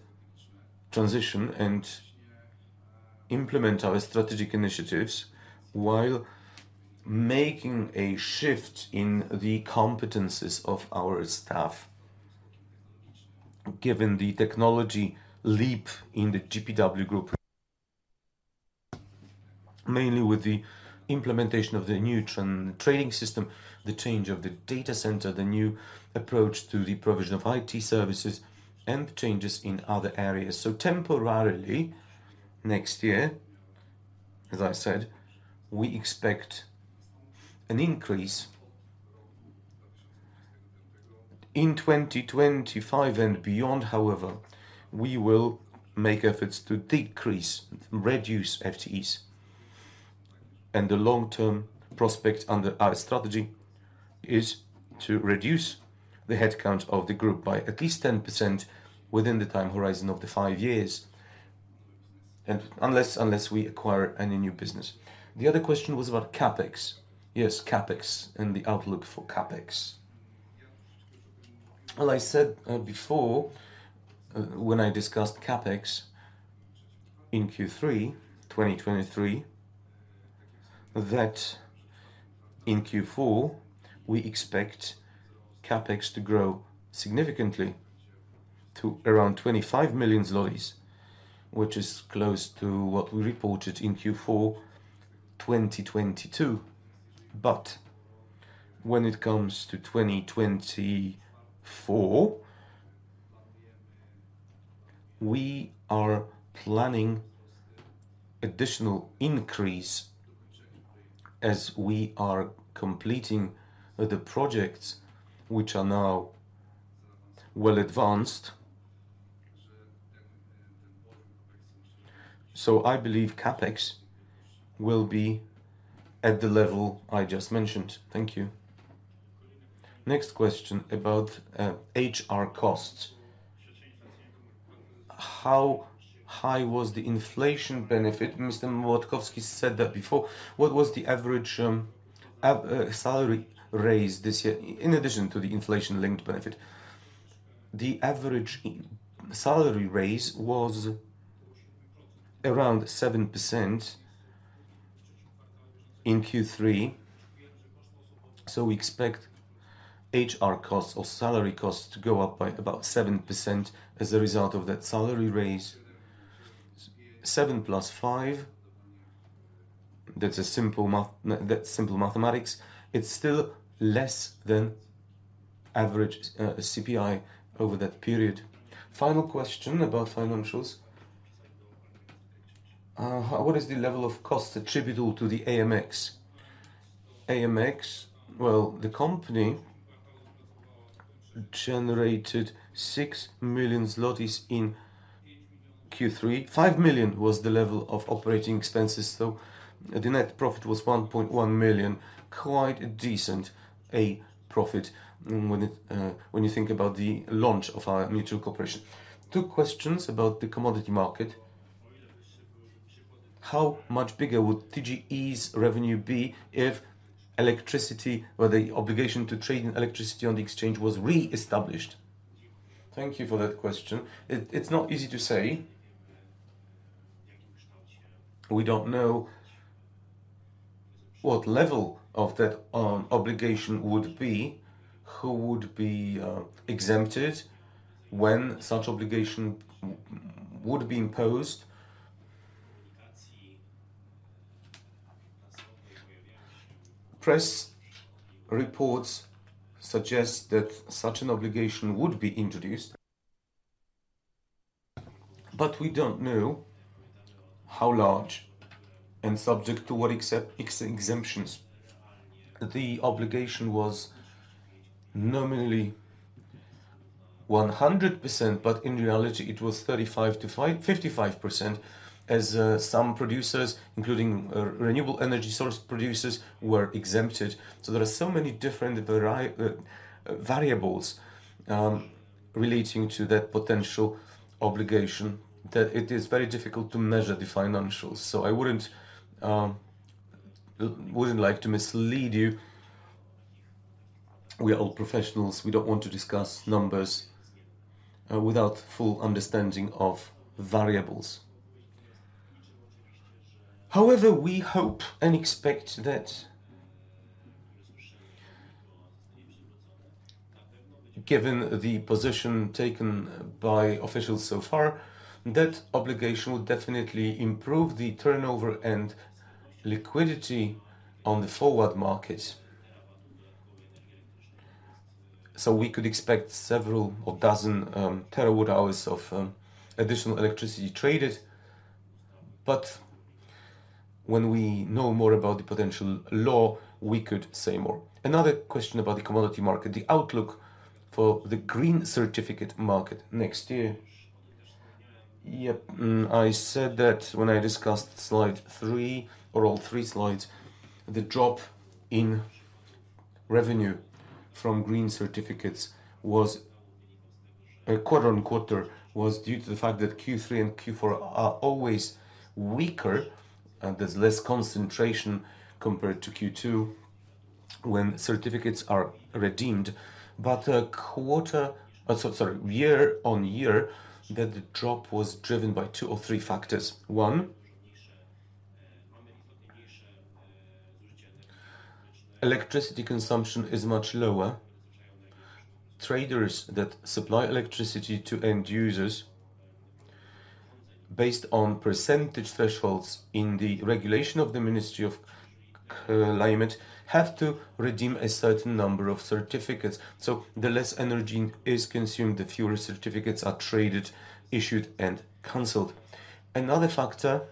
transition and implement our strategic initiatives, while making a shift in the competencies of our staff, given the technology leap in the GPW Group. Mainly with the implementation of the new trading system, the change of the data center, the new approach to the provision of IT services, and changes in other areas. So temporarily, next year, as I said, we expect an increase. In 2025 and beyond, however, we will make efforts to decrease, reduce FTEs. And the long-term prospect under our strategy is to reduce the headcount of the group by at least 10% within the time horizon of the five years, and unless, unless we acquire any new business. The other question was about CapEx. Yes, CapEx and the outlook for CapEx. Well, I said before, when I discussed CapEx in Q3 2023, that in Q4, we expect CapEx to grow significantly to around 25 million zlotys, which is close to what we reported in Q4 2022. But when it comes to 2024, we are planning additional increase as we are completing the projects which are now well advanced. So I believe CapEx will be at the level I just mentioned. Thank you. Next question about HR costs. How high was the inflation benefit? Mr. Młotkowski said that before. What was the average salary raise this year, in addition to the inflation-linked benefit? The average salary raise was around 7% in Q3, so we expect HR costs or salary costs to go up by about 7% as a result of that salary raise. 7 + 5, that's simple mathematics. It's still less than average CPI over that period. Final question about financials. What is the level of cost attributable to the AMX? AMX, well, the company generated 6 million zlotys in Q3. 5 million was the level of operating expenses, so the net profit was 1.1 million. Quite a decent profit when you think about the launch of our mutual cooperation. Two questions about the commodity market. How much bigger would TGE's revenue be if electricity or the obligation to trade in electricity on the exchange was reestablished? Thank you for that question. It's not easy to say. We don't know what level of that obligation would be, who would be exempted, when such obligation would be imposed. Press reports suggest that such an obligation would be introduced, but we don't know how large and subject to what exemptions. The obligation was nominally 100%, but in reality it was 35%-55%, as some producers, including renewable energy source producers, were exempted. So there are so many different variables relating to that potential obligation, that it is very difficult to measure the financials. So I wouldn't like to mislead you. We are all professionals. We don't want to discuss numbers without full understanding of variables. However, we hope and expect that, given the position taken by officials so far, that obligation will definitely improve the turnover and liquidity on the forward market. So we could expect several or dozen terawatt-hours of additional electricity traded. But when we know more about the potential law, we could say more. Another question about the commodity market: the outlook for the green certificate market next year. Yep. Mm, I said that when I discussed slide three or all three slides. The drop in revenue from green certificates was quarter-on-quarter, was due to the fact that Q3 and Q4 are always weaker, and there's less concentration compared to Q2, when certificates are redeemed. But so sorry, year-on-year, that drop was driven by two or three factors. One, electricity consumption is much lower. Traders that supply electricity to end users based on percentage thresholds in the regulation of the Ministry of Climate, have to redeem a certain number of certificates. So the less energy is consumed, the fewer certificates are traded, issued, and canceled. Another factor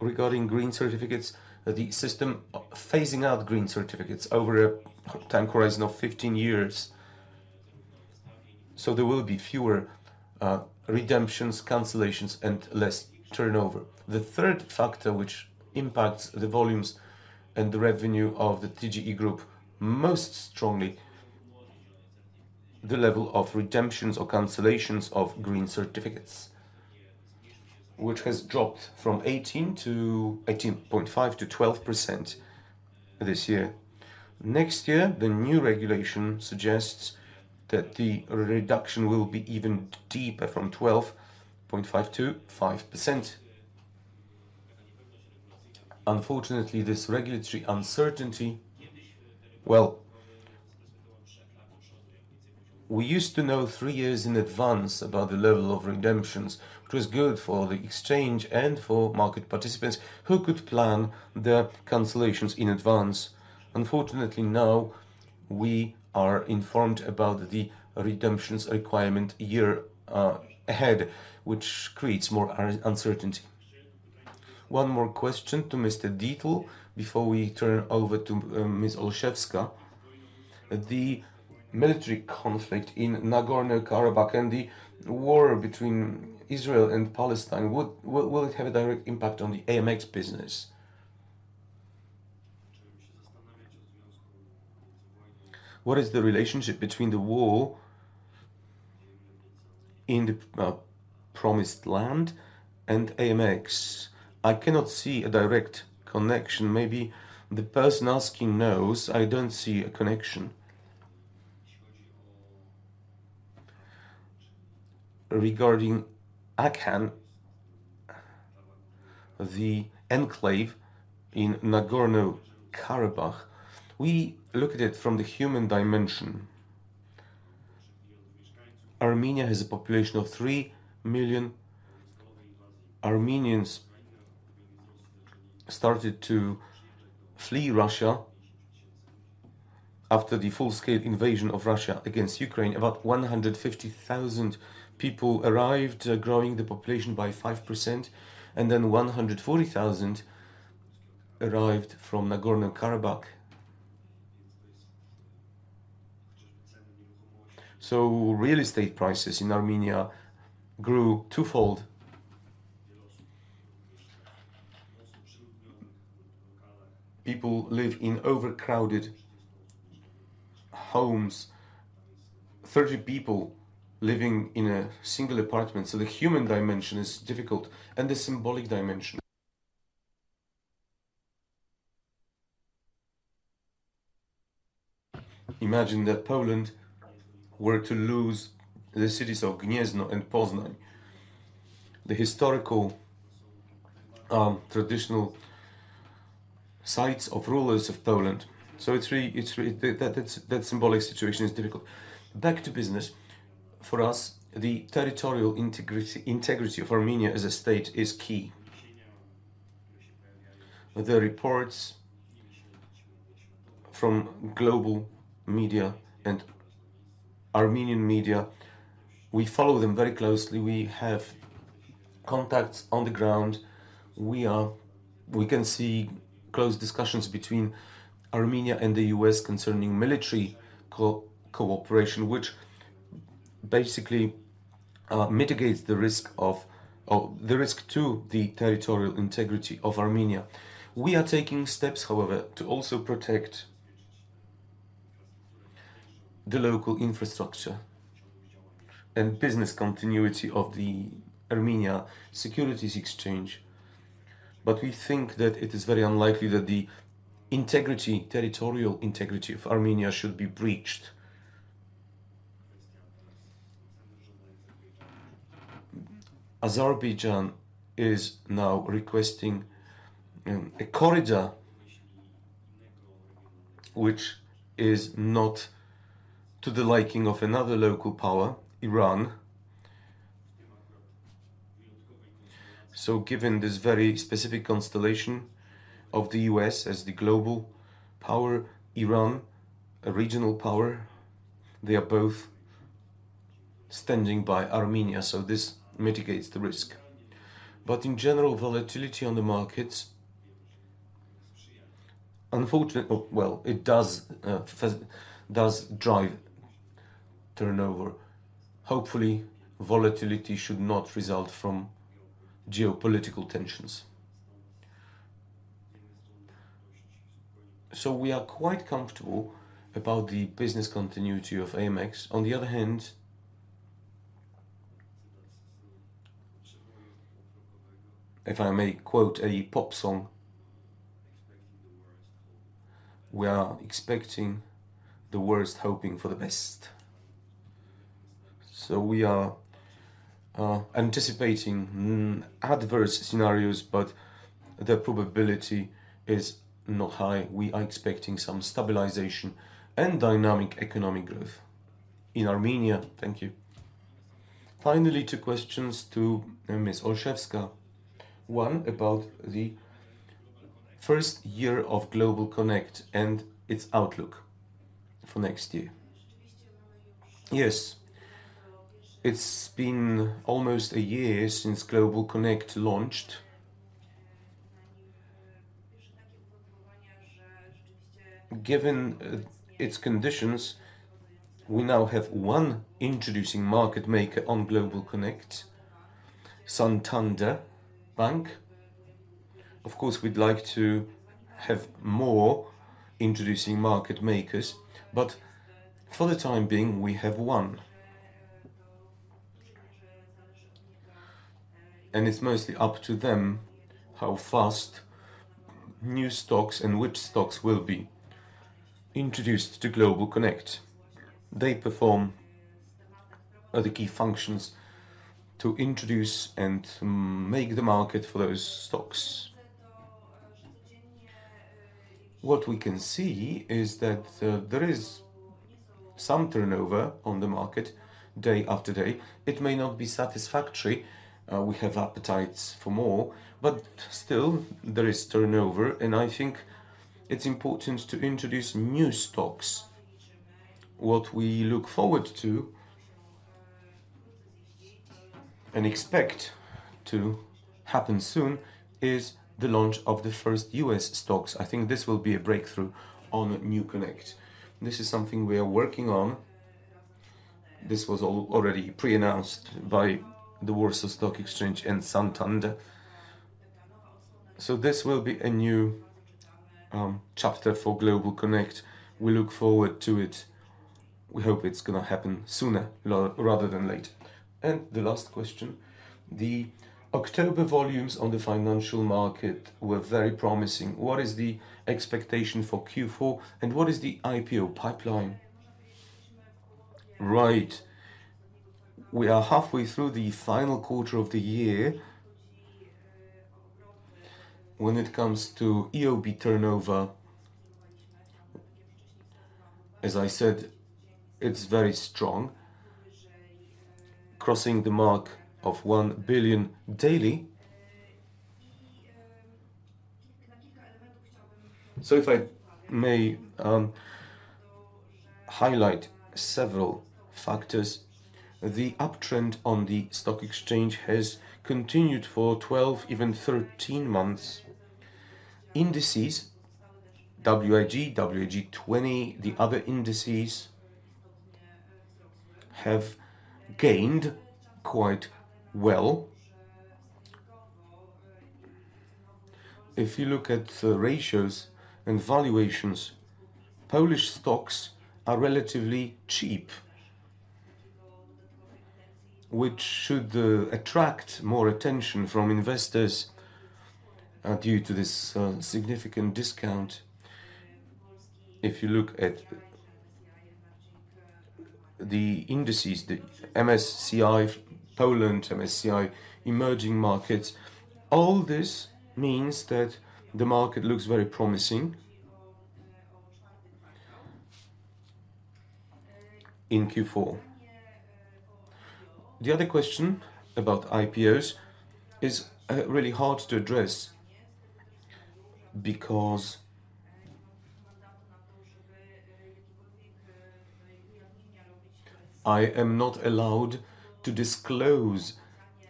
regarding green certificates, the system phasing out green certificates over a time horizon of 15 years. So there will be fewer redemptions, cancellations, and less turnover. The third factor, which impacts the volumes and the revenue of the TGE group most strongly, the level of redemptions or cancellations of green certificates, which has dropped from 18% to 18.5% to 12% this year. Next year, the new regulation suggests that the reduction will be even deeper, from 12.5% to 5%. Unfortunately, this regulatory uncertainty. Well, we used to know three years in advance about the level of redemptions, which was good for the exchange and for market participants who could plan their cancellations in advance. Unfortunately, now we are informed about the redemptions requirement a year ahead, which creates more uncertainty. One more question to Mr. Dietl, before we turn over to Ms. Olszewska. The military conflict in Nagorno-Karabakh and the war between Israel and Palestine, will it have a direct impact on the AMX business? What is the relationship between the war in the promised land and AMX? I cannot see a direct connection. Maybe the person asking knows. I don't see a connection. Regarding Artsakh, the enclave in Nagorno-Karabakh, we look at it from the human dimension. Armenia has a population of 3 million. Armenians started to flee Russia after the full-scale invasion of Russia against Ukraine. About 150,000 people arrived, growing the population by 5%, and then 140,000 arrived from Nagorno-Karabakh. So real estate prices in Armenia grew twofold. People live in overcrowded homes, 30 people living in a single apartment. So the human dimension is difficult, and the symbolic dimension. Imagine that Poland were to lose the cities of Gniezno and Poznań, the historical, traditional sites of rulers of Poland. So it's really, it's really, that, that's, that symbolic situation is difficult. Back to business. For us, the territorial integrity of Armenia as a state is key. The reports from global media and Armenian media, we follow them very closely. We have contacts on the ground. We can see close discussions between Armenia and the U.S. concerning military cooperation, which basically mitigates the risk of, of, the risk to the territorial integrity of Armenia. We are taking steps, however, to also protect the local infrastructure and business continuity of the Armenia Securities Exchange, but we think that it is very unlikely that the integrity, territorial integrity of Armenia should be breached. Azerbaijan is now requesting a corridor, which is not to the liking of another local power, Iran. So given this very specific constellation of the U.S. as the global power, Iran, a regional power, they are both standing by Armenia, so this mitigates the risk. But in general, volatility on the markets, unfortunately... Well, it does drive turnover. Hopefully, volatility should not result from geopolitical tensions. So we are quite comfortable about the business continuity of AMX. On the other hand, if I may quote a pop song, "We are expecting the worst, hoping for the best." So we are anticipating adverse scenarios, but their probability is not high. We are expecting some stabilization and dynamic economic growth in Armenia. Thank you. Finally, two questions to Ms. Olszewska. One, about the first year of GlobalConnect and its outlook for next year. Yes, it's been almost a year since GlobalConnect launched. Given its conditions, we now have one introducing market maker on GlobalConnect, Santander Bank. Of course, we'd like to have more introducing market makers, but for the time being, we have one. It's mostly up to them how fast new stocks and which stocks will be introduced to GlobalConnect. They perform other key functions to introduce and make the market for those stocks. What we can see is that there is some turnover on the market, day after day. It may not be satisfactory, we have appetites for more, but still, there is turnover, and I think it's important to introduce new stocks. What we look forward to, and expect to happen soon, is the launch of the first U.S. stocks. I think this will be a breakthrough on NewConnect. This is something we are working on. This was already pre-announced by the Warsaw Stock Exchange and Santander. This will be a new chapter for GlobalConnect. We look forward to it. We hope it's gonna happen sooner rather than late. The last question: the October volumes on the financial market were very promising. What is the expectation for Q4, and what is the IPO pipeline? Right. We are halfway through the final quarter of the year. When it comes to EOB turnover, as I said, it's very strong, crossing the mark of 1 billion daily. So if I may, highlight several factors, the uptrend on the stock exchange has continued for 12, even 13 months. Indices, WIG, WIG20, the other indices, have gained quite well. If you look at the ratios and valuations, Polish stocks are relatively cheap, which should attract more attention from investors due to this significant discount. If you look at the indices, the MSCI Poland, MSCI Emerging Markets. All this means that the market looks very promising in Q4. The other question about IPOs is really hard to address, because I am not allowed to disclose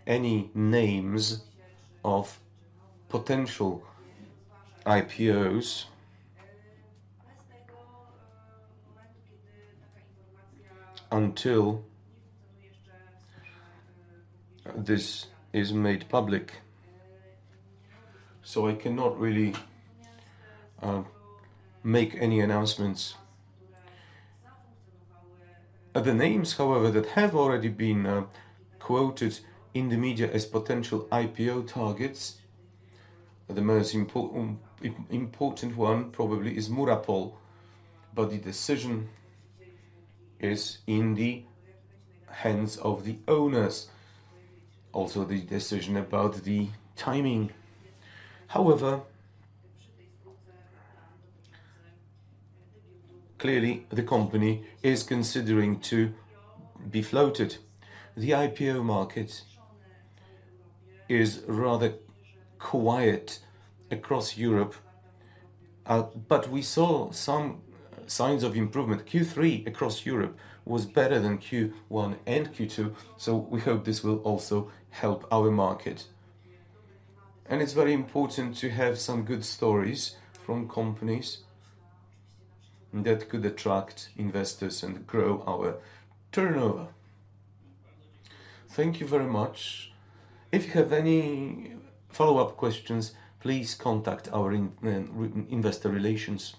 any names of potential IPOs until this is made public. So I cannot really make any announcements. The names, however, that have already been quoted in the media as potential IPO targets, the most important one probably is Murapol, but the decision is in the hands of the owners. Also, the decision about the timing. However, clearly, the company is considering to be floated. The IPO market is rather quiet across Europe, but we saw some signs of improvement. Q3 across Europe was better than Q1 and Q2, so we hope this will also help our market. It's very important to have some good stories from companies that could attract investors and grow our turnover. Thank you very much. If you have any follow-up questions, please contact our investor relations.